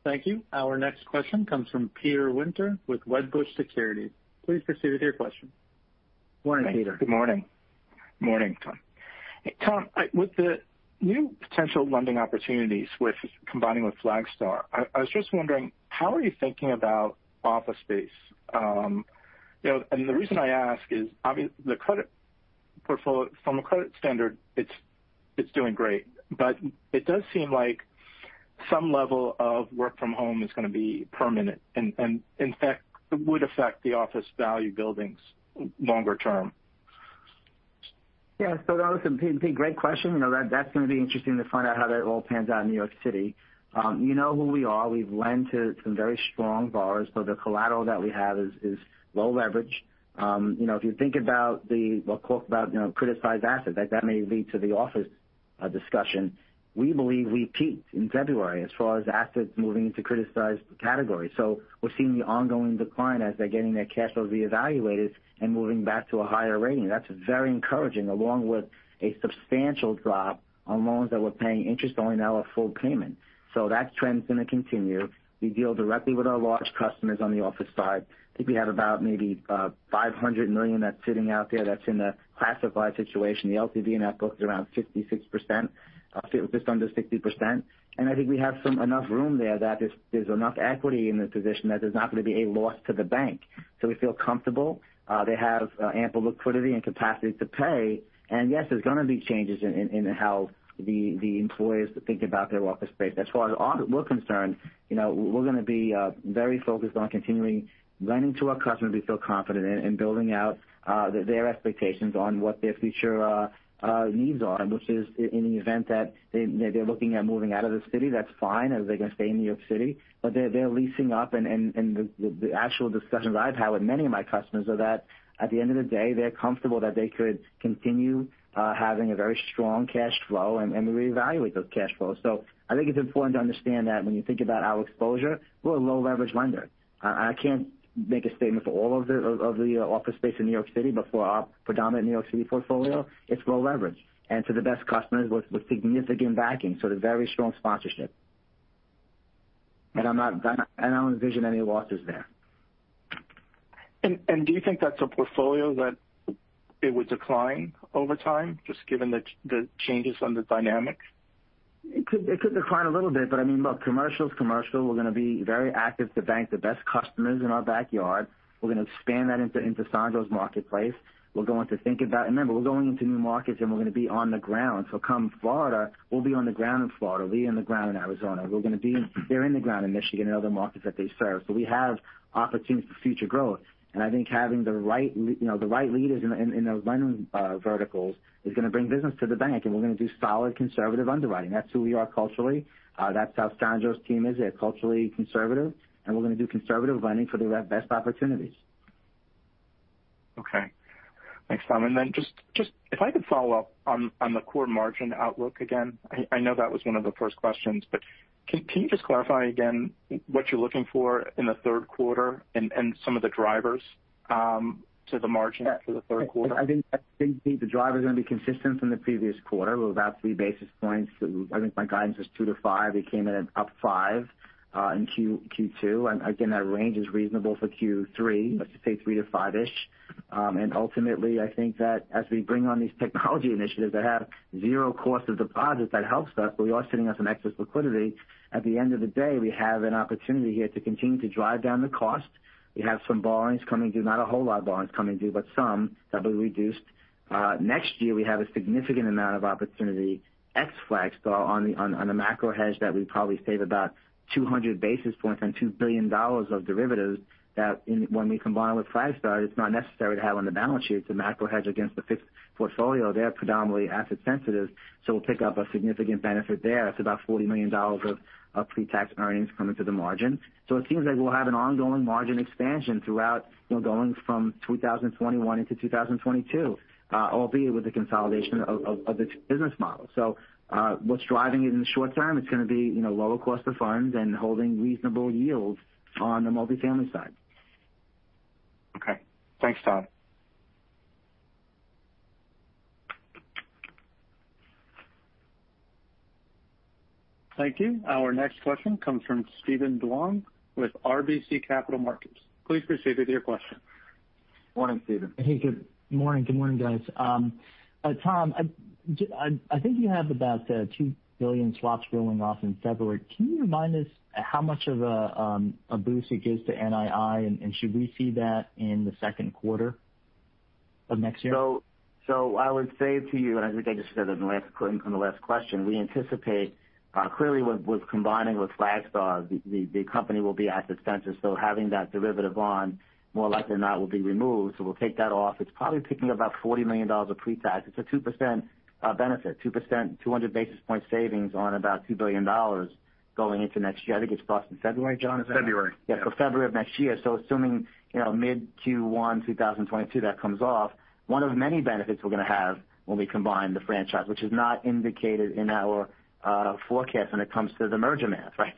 Thank you. Our next question comes from Peter Winter with Wedbush Securities. Please proceed with your question. Morning, Peter. Good morning. Morning, Tom. Tom, with the new potential lending opportunities combining with Flagstar, I was just wondering, how are you thinking about office space? The reason I ask is from a credit standard, it's doing great, but it does seem like some level of work from home is going to be permanent, and in fact, would affect the office value buildings longer term. Yeah. Listen, Peter, great question. That's going to be interesting to find out how that all pans out in New York City. You know who we are. We've lent to some very strong borrowers, so the collateral that we have is low leverage. If you think about, we'll talk about criticized assets, that may lead to the office discussion. We believe we peaked in February as far as assets moving into criticized category. We're seeing the ongoing decline as they're getting their cash flow reevaluated and moving back to a higher rating. That's very encouraging along with a substantial drop on loans that were paying interest only now are full payment. That trend's going to continue. We deal directly with our large customers on the office side. I think we have about maybe $500 million that's sitting out there that's in a classified situation. The LTV in that book is around 66%, just under 60%. I think we have enough room there that there's enough equity in the position that there's not going to be a loss to the bank. We feel comfortable. They have ample liquidity and capacity to pay. Yes, there's going to be changes in how the employers think about their office space. That's why we're concerned. We're going to be very focused on continuing lending to our customers we feel confident in and building out their expectations on what their future needs are, which is in the event that they're looking at moving out of the city, that's fine, as they can stay in New York City. They're leasing up, and the actual discussions I've had with many of my customers are that at the end of the day, they're comfortable that they could continue having a very strong cash flow and reevaluate those cash flows. I think it's important to understand that when you think about our exposure, we're a low leverage lender. I can't make a statement for all of the office space in New York City, but for our predominant New York City portfolio, it's low leverage. To the best customers with significant backing, so they're very strong sponsorship. I don't envision any losses there. Do you think that's a portfolio that it would decline over time, just given the changes on the dynamics? It could decline a little bit. I mean, look, commercial is commercial. We're going to be very active to bank the best customers in our backyard. We're going to expand that into Sandro's marketplace. We're going to think about, remember, we're going into new markets, and we're going to be on the ground. Come Florida, we'll be on the ground in Florida. We'll be on the ground in Arizona. They're in the ground in Michigan and other markets that they serve. We have opportunities for future growth. I think having the right leaders in the lending verticals is going to bring business to the bank, and we're going to do solid conservative underwriting. That's who we are culturally. That's how Sandro's team is. They're culturally conservative, and we're going to do conservative lending for the best opportunities. Okay. Thanks, Tom. If I could follow up on the core margin outlook again. I know that was one of the first questions, can you just clarify again what you're looking for in the third quarter and some of the drivers to the margin for the third quarter? I think the driver's going to be consistent from the previous quarter. We're about three basis points. I think my guidance was two-five. We came in at up five in Q2. Again, that range is reasonable for Q3. Let's just say three-five-ish. Ultimately, I think that as we bring on these technology initiatives that have zero cost of deposit, that helps us. We are sitting on some excess liquidity. At the end of the day, we have an opportunity here to continue to drive down the cost. We have some borrowings coming due, not a whole lot of borrowings coming due, but some that will be reduced. Next year, we have a significant amount of opportunity, ex Flagstar, on the macro hedge that we probably save about 200 basis points on $2 billion of derivatives, that when we combine with Flagstar, it's not necessary to have on the balance sheet the macro hedge against the fixed portfolio. They're predominantly asset sensitive. We'll pick up a significant benefit there. It's about $40 million of pre-tax earnings coming to the margin. It seems like we'll have an ongoing margin expansion throughout going from 2021 into 2022, albeit with the consolidation of this business model. What's driving it in the short term, it's going to be lower cost of funds and holding reasonable yields on the multifamily side. Okay. Thanks, Tom. Thank you. Our next question comes from Steven Duong with RBC Capital Markets. Please proceed with your question. Morning, Steven. Hey, good morning. Good morning, guys. Tom, I think you have about $2 billion swaps rolling off in February. Can you remind us how much of a boost it gives to NII? Should we see that in the second quarter of next year? I would say to you, and I think I just said it on the last question, we anticipate clearly with combining with Flagstar, the company will be asset sensitive. Having that derivative on more likely than not will be removed. We'll take that off. It's probably picking up about $40 million of pre-tax. It's a 2% benefit, 200 basis points savings on about $2 billion going into next year. I think it's priced in February, John, is that right? February. February of next year. Assuming mid Q1 2022 that comes off, one of many benefits we're going to have when we combine the franchise, which is not indicated in our forecast when it comes to the merger math, right.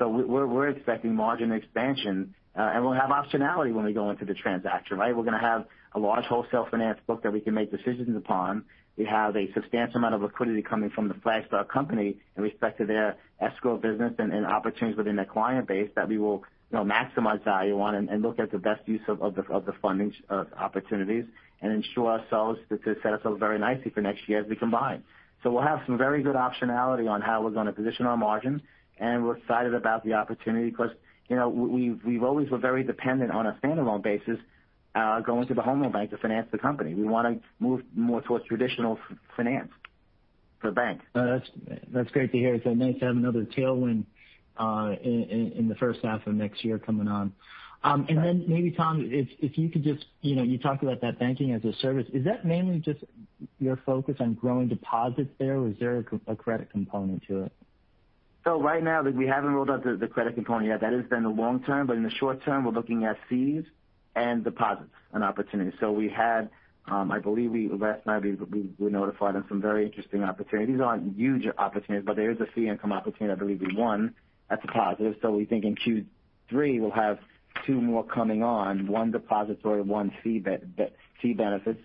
We're expecting margin expansion, and we'll have optionality when we go into the transaction, right. We're going to have a large wholesale finance book that we can make decisions upon. We have a substantial amount of liquidity coming from the Flagstar company in respect to their escrow business and opportunities within their client base that we will maximize value on and look at the best use of the funding opportunities. Ensure ourselves to set ourselves very nicely for next year as we combine. We'll have some very good optionality on how we're going to position our margin. We're excited about the opportunity because we always were very dependent on a standalone basis going to the Home Loan Bank to finance the company. We want to move more towards traditional finance for banks. That's great to hear. It's nice to have another tailwind in the first half of next year coming on. Right. Maybe, Tom, you talked about that banking as a service. Is that mainly just your focus on growing deposits there, or is there a credit component to it? Right now, we haven't rolled out the credit component yet. That has been the long term, but in the short term, we're looking at fees and deposits on opportunities. I believe last night we notified on some very interesting opportunities. These aren't huge opportunities, but there is a fee income opportunity I believe we won. That's a positive. We think in Q3 we'll have two more coming on, one depository, one fee benefits.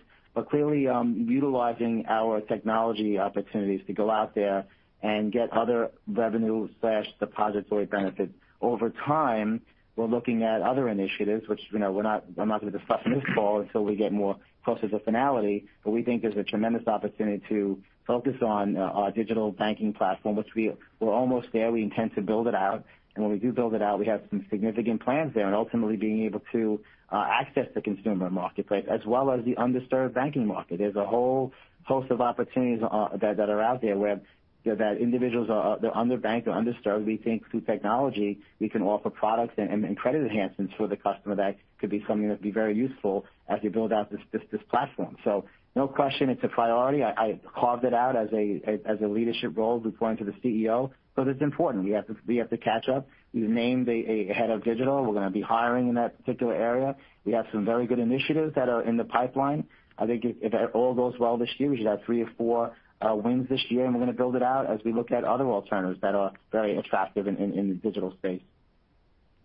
Clearly, utilizing our technology opportunities to go out there and get other revenue/depository benefits. Over time, we're looking at other initiatives, which I'm not going to discuss on this call until we get more closer to finality. We think there's a tremendous opportunity to focus on our digital banking platform, which we're almost there. We intend to build it out. When we do build it out, we have some significant plans there and ultimately being able to access the consumer marketplace as well as the underserved banking market. There's a whole host of opportunities that are out there where that individuals are underbanked or underserved. We think through technology we can offer products and credit enhancements for the customer. That could be something that'd be very useful as we build out this platform. No question, it's a priority. I carved it out as a leadership role reporting to the CEO because it's important. We have to catch up. We've named a head of digital. We're going to be hiring in that particular area. We have some very good initiatives that are in the pipeline. I think if all goes well this year, we should have three or four wins this year, and we're going to build it out as we look at other alternatives that are very attractive in the digital space.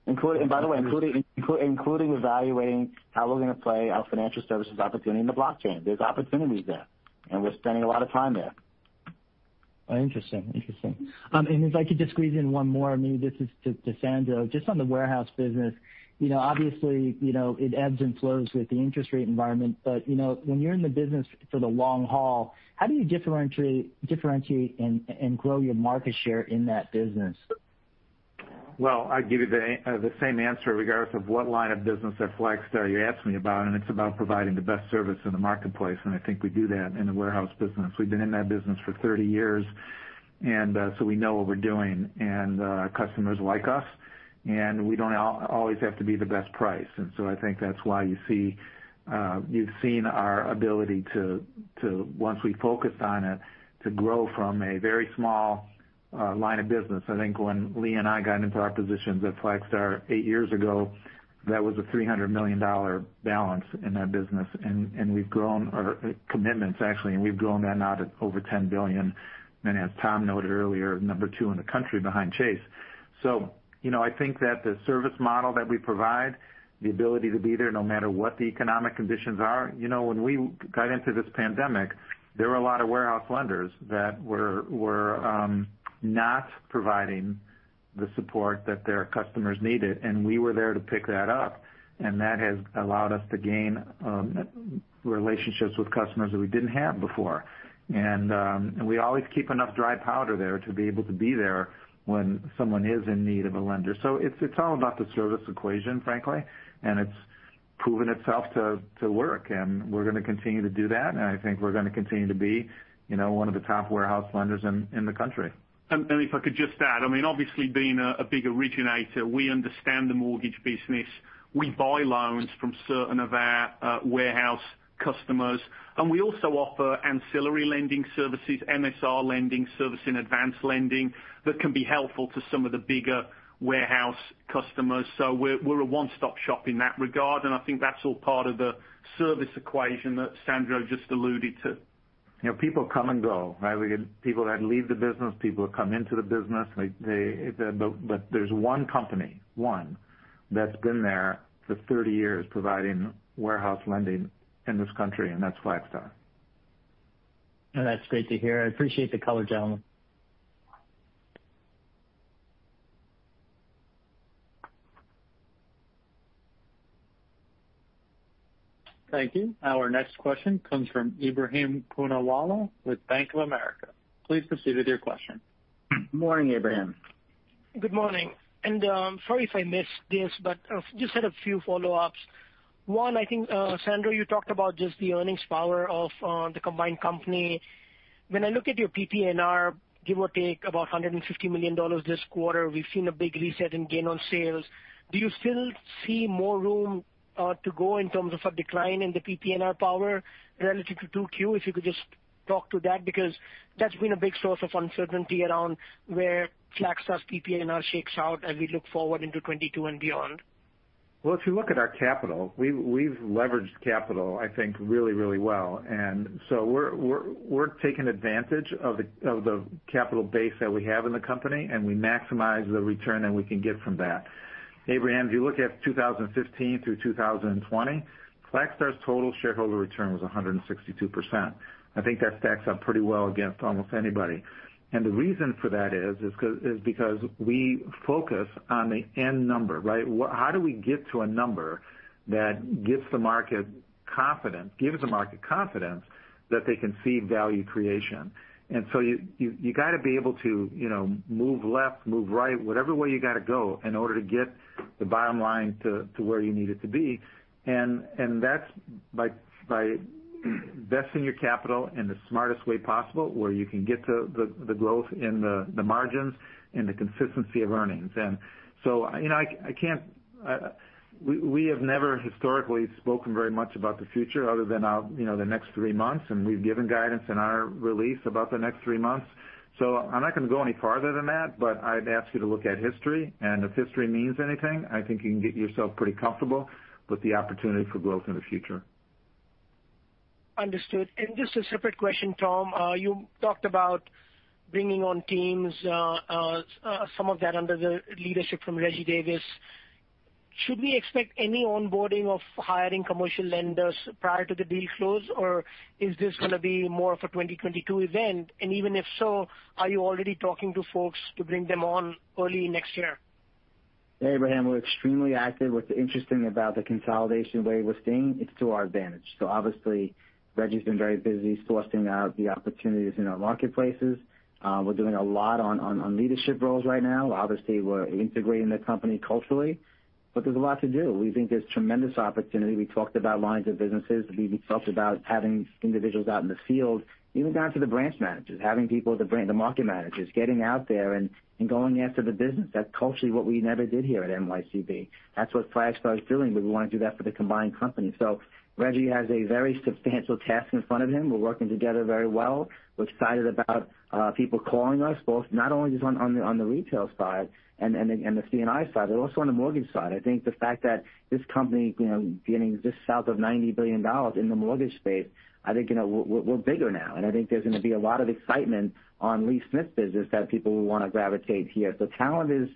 By the way, including evaluating how we're going to play our financial services opportunity in the blockchain. There's opportunities there, and we're spending a lot of time there. Interesting. If I could just squeeze in one more, maybe this is to Sandro. Just on the warehouse business. Obviously, it ebbs and flows with the interest rate environment. When you're in the business for the long haul, how do you differentiate and grow your market share in that business? Well, I'd give you the same answer regardless of what line of business at Flagstar you ask me about, and it's about providing the best service in the marketplace. I think we do that in the warehouse business. We've been in that business for 30 years. We know what we're doing. Customers like us. We don't always have to be the best price. I think that's why you've seen our ability to, once we focused on it, to grow from a very small line of business. I think when Lee and I got into our positions at Flagstar eight years ago, that was a $300 million balance in that business. We've grown our commitments actually, and we've grown that now to over $10 billion. As Tom noted earlier, number two in the country behind Chase. I think that the service model that we provide, the ability to be there no matter what the economic conditions are. When we got into this pandemic, there were a lot of warehouse lenders that were not providing the support that their customers needed, and we were there to pick that up. That has allowed us to gain relationships with customers that we didn't have before. We always keep enough dry powder there to be able to be there when someone is in need of a lender. It's all about the service equation, frankly, and it's proven itself to work, and we're going to continue to do that. I think we're going to continue to be one of the top warehouse lenders in the country. If I could just add. Obviously being a big originator, we understand the mortgage business. We buy loans from certain of our warehouse customers, and we also offer ancillary lending services, MSR lending servicing advance lending that can be helpful to some of the bigger warehouse customers. We're a one-stop shop in that regard, and I think that's all part of the service equation that Sandro just alluded to. People come and go, right? We get people that leave the business, people that come into the business. There's one company, one, that's been there for 30 years providing warehouse lending in this country, and that's Flagstar. That's great to hear. I appreciate the color, gentlemen. Thank you. Our next question comes from Ebrahim Poonawala with Bank of America. Please proceed with your question. Morning, Ebrahim. Good morning. I'm sorry if I missed this, just had a few follow-ups. One, I think, Sandro, you talked about just the earnings power of the combined company. When I look at your PPNR, give or take about $150 million this quarter, we've seen a big reset in gain on sales. Do you still see more room to go in terms of a decline in the PPNR power relative to 2Q? If you could just talk to that, because that's been a big source of uncertainty around where Flagstar's PPNR shakes out as we look forward into 2022 and beyond. Well, if you look at our capital, we've leveraged capital I think really well. We're taking advantage of the capital base that we have in the company, and we maximize the return that we can get from that. Ebrahim, if you look at 2015 through 2020, Flagstar's total shareholder return was 162%. I think that stacks up pretty well against almost anybody. The reason for that is because we focus on the end number, right? How do we get to a number that gives the market confidence that they can see value creation? You got to be able to move left, move right, whatever way you got to go in order to get the bottom line to where you need it to be. That's by investing your capital in the smartest way possible, where you can get the growth and the margins and the consistency of earnings. We have never historically spoken very much about the future other than the next three months, and we've given guidance in our release about the next three months. I'm not going to go any farther than that, but I'd ask you to look at history, and if history means anything, I think you can get yourself pretty comfortable with the opportunity for growth in the future. Understood. Just a separate question, Tom. You talked about bringing on teams, some of that under the leadership from Reggie Davis. Should we expect any onboarding of hiring commercial lenders prior to the deal close, or is this going to be more of a 2022 event? Even if so, are you already talking to folks to bring them on early next year? Ebrahim, we're extremely active. What's interesting about the consolidation wave we're seeing, it's to our advantage. Obviously, Reggie's been very busy sourcing out the opportunities in our marketplaces. We're doing a lot on leadership roles right now. Obviously, we're integrating the company culturally. There's a lot to do. We think there's tremendous opportunity. We talked about lines of businesses. We talked about having individuals out in the field, even down to the branch managers, having people at the market managers getting out there and going after the business. That's culturally what we never did here at NYCB. That's what Flagstar is doing, but we want to do that for the combined company. Reggie has a very substantial task in front of him. We're working together very well. We're excited about people calling us, both not only just on the retail side and the C&I side, but also on the mortgage side. I think the fact that this company beginning just south of $90 billion in the mortgage space, I think we're bigger now. I think there's going to be a lot of excitement on Lee Smith business that people will want to gravitate here. Talent is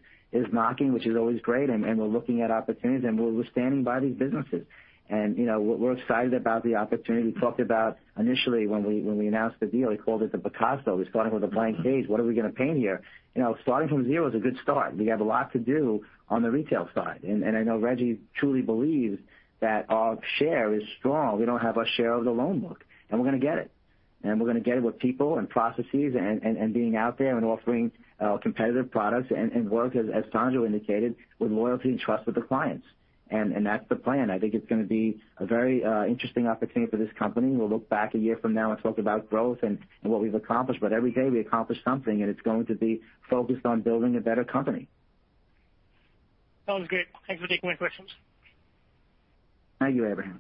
knocking, which is always great, and we're looking at opportunities, and we're standing by these businesses. We're excited about the opportunity. We talked about initially when we announced the deal, we called it the Picasso. We're starting with a blank page. What are we going to paint here? Starting from zero is a good start. We have a lot to do on the retail side. I know Reggie truly believes that our share is strong. We don't have our share of the loan book, and we're going to get it. We're going to get it with people and processes and being out there and offering competitive products and work, as Sandro indicated, with loyalty and trust with the clients. That's the plan. I think it's going to be a very interesting opportunity for this company. We'll look back a year from now and talk about growth and what we've accomplished. Every day we accomplish something, and it's going to be focused on building a better company. That was great. Thanks for taking my questions. Thank you, Ebrahim.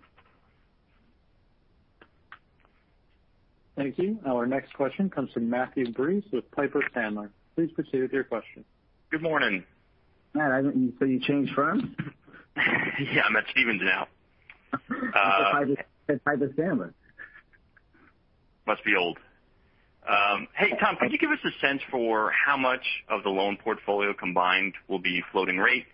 Thank you. Our next question comes from Matthew Breese with Piper Sandler. Please proceed with your question. Good morning. Matt, I didn't see you changed firms. Yeah, I'm at Stephens now. I said Piper Sandler. Must be old. Hey, Tom, could you give us a sense for how much of the loan portfolio combined will be floating rate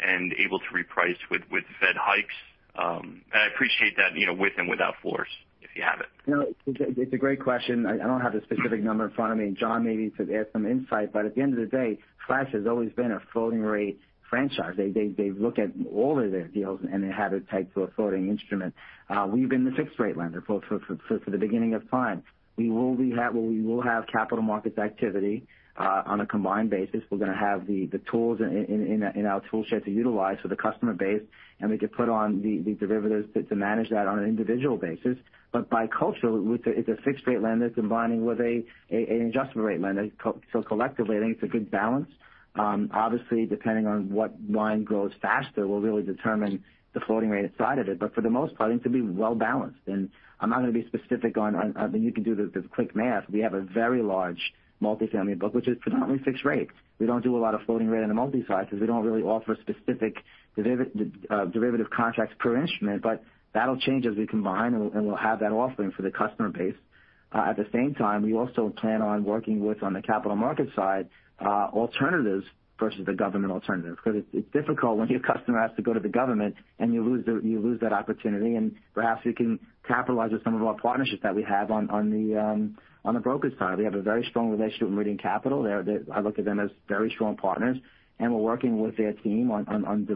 and able to reprice with Fed hikes? I appreciate that with and without floors, if you have it. It's a great question. I don't have the specific number in front of me. John maybe could add some insight. At the end of the day, Flagstar has always been a floating rate franchise. They look at all of their deals, they have it tied to a floating instrument. We've been the fixed rate lender for the beginning of time. We will have capital markets activity on a combined basis. We're going to have the tools in our tool shed to utilize for the customer base, we could put on the derivatives to manage that on an individual basis. By culture, it's a fixed-rate lender combining with an adjustable rate lender. Collectively, I think it's a good balance. Obviously, depending on what line grows faster will really determine the floating rate side of it. For the most part, I think they'll be well balanced. [inaudible] You can do the quick math. We have a very large multifamily book, which is predominantly fixed rate. We don't do a lot of floating rate in the multi-sites because we don't really offer specific derivative contracts per instrument. That'll change as we combine, and we'll have that offering for the customer base. At the same time, we also plan on working with, on the capital market side, alternatives versus the government alternative because it's difficult when your customer has to go to the government and you lose that opportunity. Perhaps we can capitalize with some of our partnerships that we have on the brokers' side. We have a very strong relationship with Meridian Capital. I look at them as very strong partners. We're working with their team on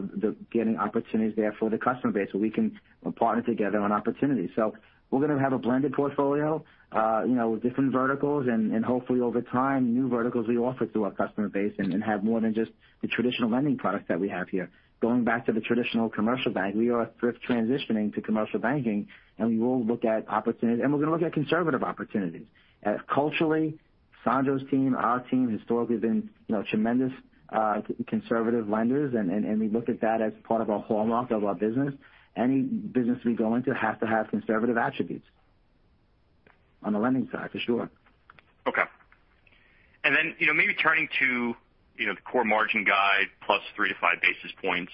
getting opportunities there for the customer base so we can partner together on opportunities. We're going to have a blended portfolio with different verticals and hopefully over time, new verticals we offer to our customer base and have more than just the traditional lending products that we have here. Going back to the traditional commercial bank, we are transitioning to commercial banking. We will look at conservative opportunities. Culturally, Sandro's team, our team historically have been tremendous conservative lenders. We look at that as part of our hallmark of our business. Any business we go into has to have conservative attributes on the lending side for sure. Okay. Maybe turning to the core margin guide +3 to five basis points.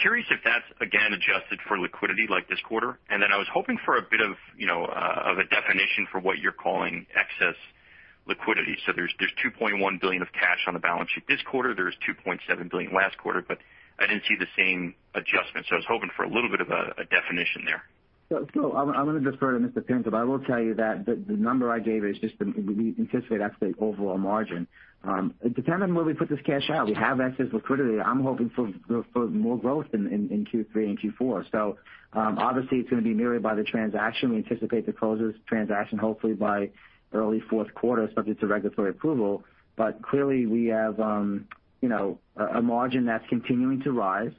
Curious if that's again adjusted for liquidity like this quarter. I was hoping for a bit of a definition for what you're calling excess liquidity. There's $2.1 billion of cash on the balance sheet this quarter. There was $2.7 billion last quarter, I didn't see the same adjustment. I was hoping for a little bit of a definition there. I'm going to defer to Mr. Pinto, but I will tell you that the number I gave is just we anticipate that's the overall margin. Depending on where we put this cash out, we have excess liquidity. I'm hoping for more growth in Q3 and Q4. Obviously, it's going to be mirrored by the transaction. We anticipate the closes transaction hopefully by early fourth quarter subject to regulatory approval. Clearly, we have a margin that's continuing to rise.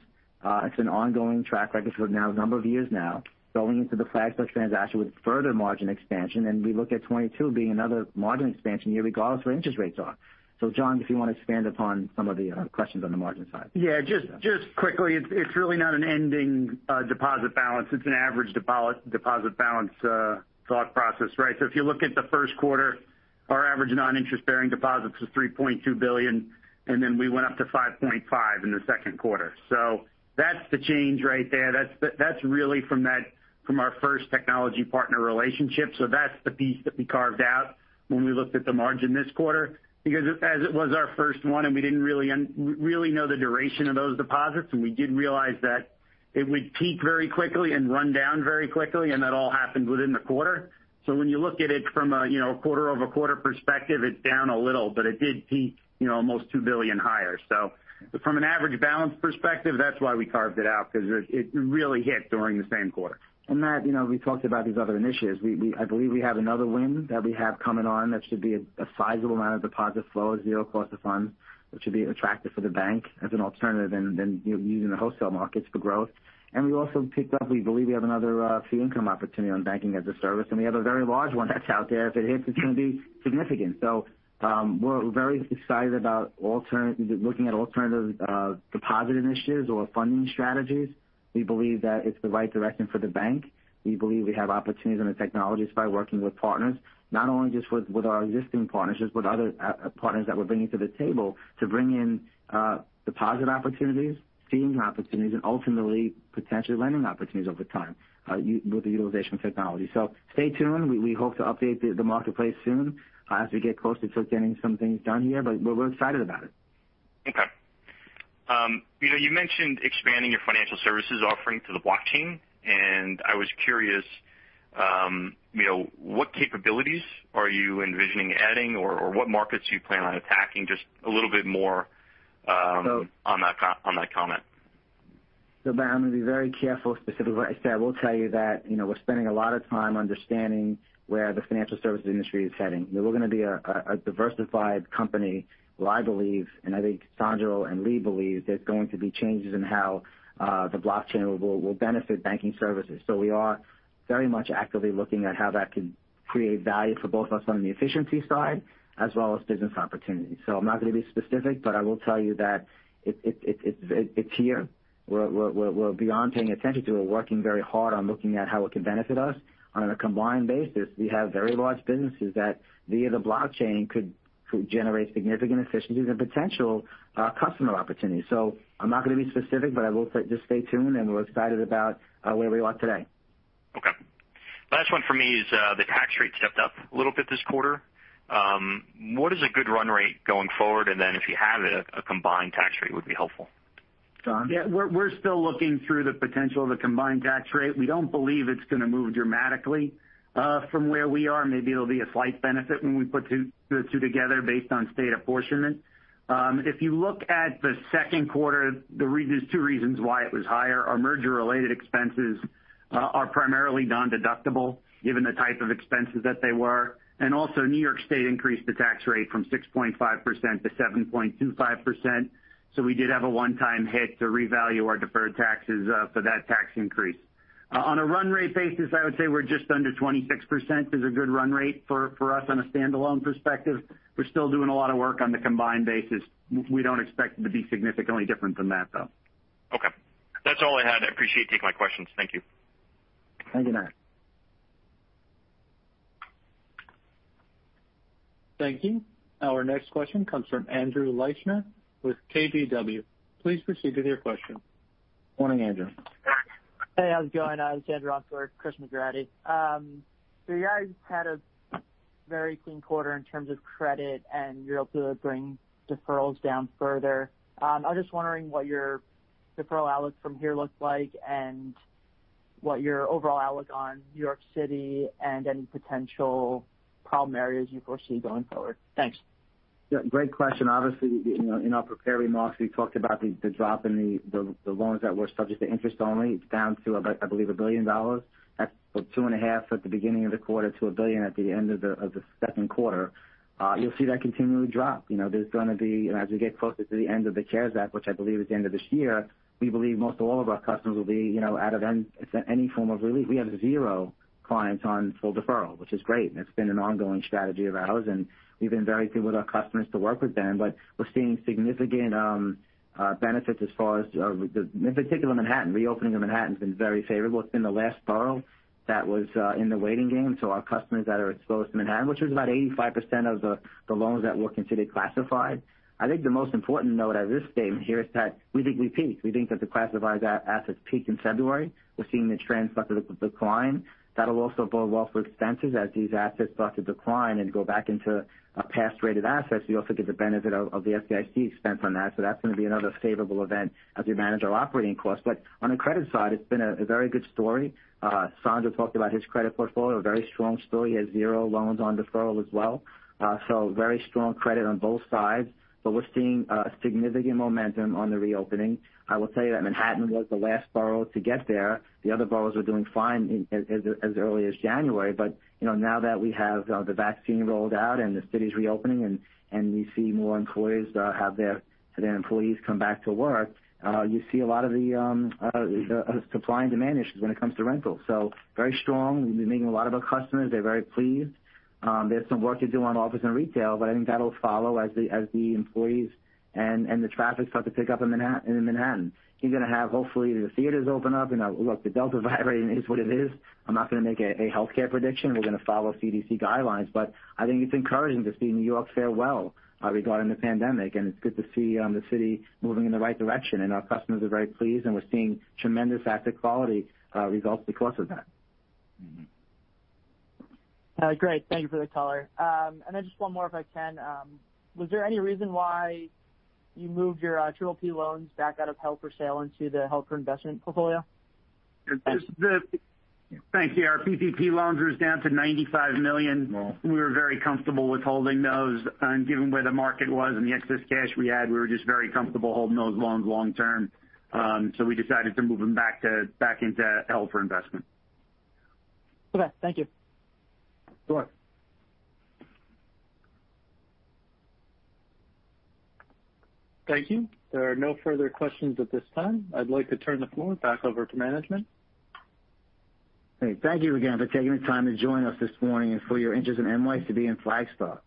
It's an ongoing track record for now a number of years now. Going into the Flagstar transaction with further margin expansion. We look at 2022 being another margin expansion year regardless of where interest rates are. John, if you want to expand upon some of the questions on the margin side. Yeah, just quickly. It's really not an ending deposit balance. It's an average deposit balance thought process. Right. If you look at the first quarter, our average non-interest bearing deposits was $3.2 billion, and then we went up to $5.5 billion in the second quarter. That's the change right there. That's really from our first technology partner relationship. That's the piece that we carved out when we looked at the margin this quarter because as it was our first one and we didn't really know the duration of those deposits, and we did realize that it would peak very quickly and run down very quickly, and that all happened within the quarter. When you look at it from a quarter-over-quarter perspective, it's down a little, but it did peak almost $2 billion higher. From an average balance perspective, that's why we carved it out because it really hit during the same quarter. Matt we talked about these other initiatives. I believe we have another win that we have coming on that should be a sizable amount of deposit flow as zero cost of funds, which would be attractive for the bank as an alternative than using the wholesale markets for growth. We also picked up, we believe we have another fee income opportunity on banking as a service, and we have a very large one that's out there. If it hits, it's going to be significant. We're very excited about looking at alternative deposit initiatives or funding strategies. We believe that it's the right direction for the bank. We believe we have opportunities on the technologies by working with partners. Not only just with our existing partners, but other partners that we're bringing to the table to bring in deposit opportunities, feeing opportunities, and ultimately potentially lending opportunities over time with the utilization of technology. Stay tuned. We hope to update the marketplace soon as we get closer to getting some things done here, but we're excited about it. Okay. You mentioned expanding your financial services offering to the blockchain, and I was curious what capabilities are you envisioning adding or what markets you plan on attacking? Just a little bit more on that comment. Matt, I'm going to be very careful specifically what I say. I will tell you that we're spending a lot of time understanding where the financial services industry is heading. We're going to be a diversified company. I believe, and I think Sandro and Lee believe, there's going to be changes in how the blockchain will benefit banking services. We are very much actively looking at how that could create value for both of us on the efficiency side as well as business opportunities. I'm not going to be specific, but I will tell you that it's here. We're beyond paying attention to it. We're working very hard on looking at how it can benefit us. On a combined basis, we have very large businesses that via the blockchain could generate significant efficiencies and potential customer opportunities. I'm not going to be specific but just stay tuned and we're excited about where we are today. Okay. Last one for me is the tax rate stepped up a little bit this quarter. What is a good run rate going forward? If you have it, a combined tax rate would be helpful. John? We're still looking through the potential of the combined tax rate. We don't believe it's going to move dramatically from where we are. Maybe it'll be a slight benefit when we put the two together based on state apportionment. If you look at the second quarter, there's two reasons why it was higher. Our merger-related expenses are primarily non-deductible given the type of expenses that they were. New York State increased the tax rate from 6.5%-7.25%. We did have a 1x hit to revalue our deferred taxes for that tax increase. On a run rate basis, I would say we're just under 26%, is a good run rate for us on a standalone perspective. We're still doing a lot of work on the combined basis. We don't expect it to be significantly different than that, though. Okay. That's all I had. I appreciate you taking my questions. Thank you. Thank you, Matt. Thank you. Our next question comes from Andrew Leischner with KBW. Please proceed with your question. Morning, Andrew. Hey, how's it going? It's Andrew on for Christopher McGratty. You guys had a very clean quarter in terms of credit, and you're able to bring deferrals down further. I'm just wondering what your deferral outlook from here looks like and what your overall outlook on New York City and any potential problem areas you foresee going forward. Thanks. Yeah. Great question. Obviously, in our prepared remarks, we talked about the drop in the loans that were subject to interest only. It's down to, I believe, $1 billion. That's from $2.5 billion at the beginning of the quarter to $1 billion at the end of the second quarter. You'll see that continually drop. There's going to be, as we get closer to the end of the CARES Act, which I believe is the end of this year, we believe most all of our customers will be out of any form of relief. We have zero clients on full deferral, which is great, and it's been an ongoing strategy of ours, and we've been very good with our customers to work with them. We're seeing significant benefits as far as, in particular Manhattan. Reopening of Manhattan has been very favorable. It's been the last borough that was in the waiting game. Our customers that are exposed to Manhattan, which was about 85% of the loans that were considered classified. I think the most important note out of this statement here is that we think we've peaked. We think that the classified assets peaked in February. We're seeing the trends start to decline. That'll also bode well for expenses as these assets start to decline and go back into pass-rated assets. We also get the benefit of the FDIC expense on that. That's going to be another favorable event as we manage our operating costs. On the credit side, it's been a very good story. Sandro talked about his credit portfolio, a very strong story. He has zero loans on deferral as well. Very strong credit on both sides. We're seeing a significant momentum on the reopening. I will tell you that Manhattan was the last borough to get there. The other boroughs were doing fine as early as January. Now that we have the vaccine rolled out and the city's reopening and we see more employers have their employees come back to work, you see a lot of the supply and demand issues when it comes to rentals. Very strong. We've been meeting a lot of our customers. They're very pleased. There's some work to do on office and retail, but I think that'll follow as the employees and the traffic start to pick up in Manhattan. You're going to have, hopefully, the theaters open up. Look, the Delta variant is what it is. I'm not going to make a healthcare prediction. We're going to follow CDC guidelines. I think it's encouraging to see New York fare well regarding the pandemic, and it's good to see the city moving in the right direction. Our customers are very pleased, and we're seeing tremendous asset quality results because of that. Great. Thank you for the color. Just one more, if I can. Was there any reason why you moved your PPP loans back out of held for sale into the held for investment portfolio? Thanks, yeah. Our PPP loans were down to $95 million. We were very comfortable with holding those. Given where the market was and the excess cash we had, we were just very comfortable holding those loans long-term. We decided to move them back into held for investment. Okay. Thank you. Sure. Thank you. There are no further questions at this time. I'd like to turn the floor back over to management. Great. Thank you again for taking the time to join us this morning and for your interest in NYCB and Flagstar.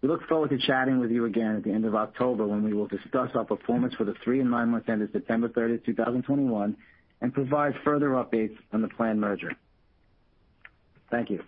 We look forward to chatting with you again at the end of October when we will discuss our performance for the three and nine months ended September 30, 2021, and provide further updates on the planned merger. Thank you.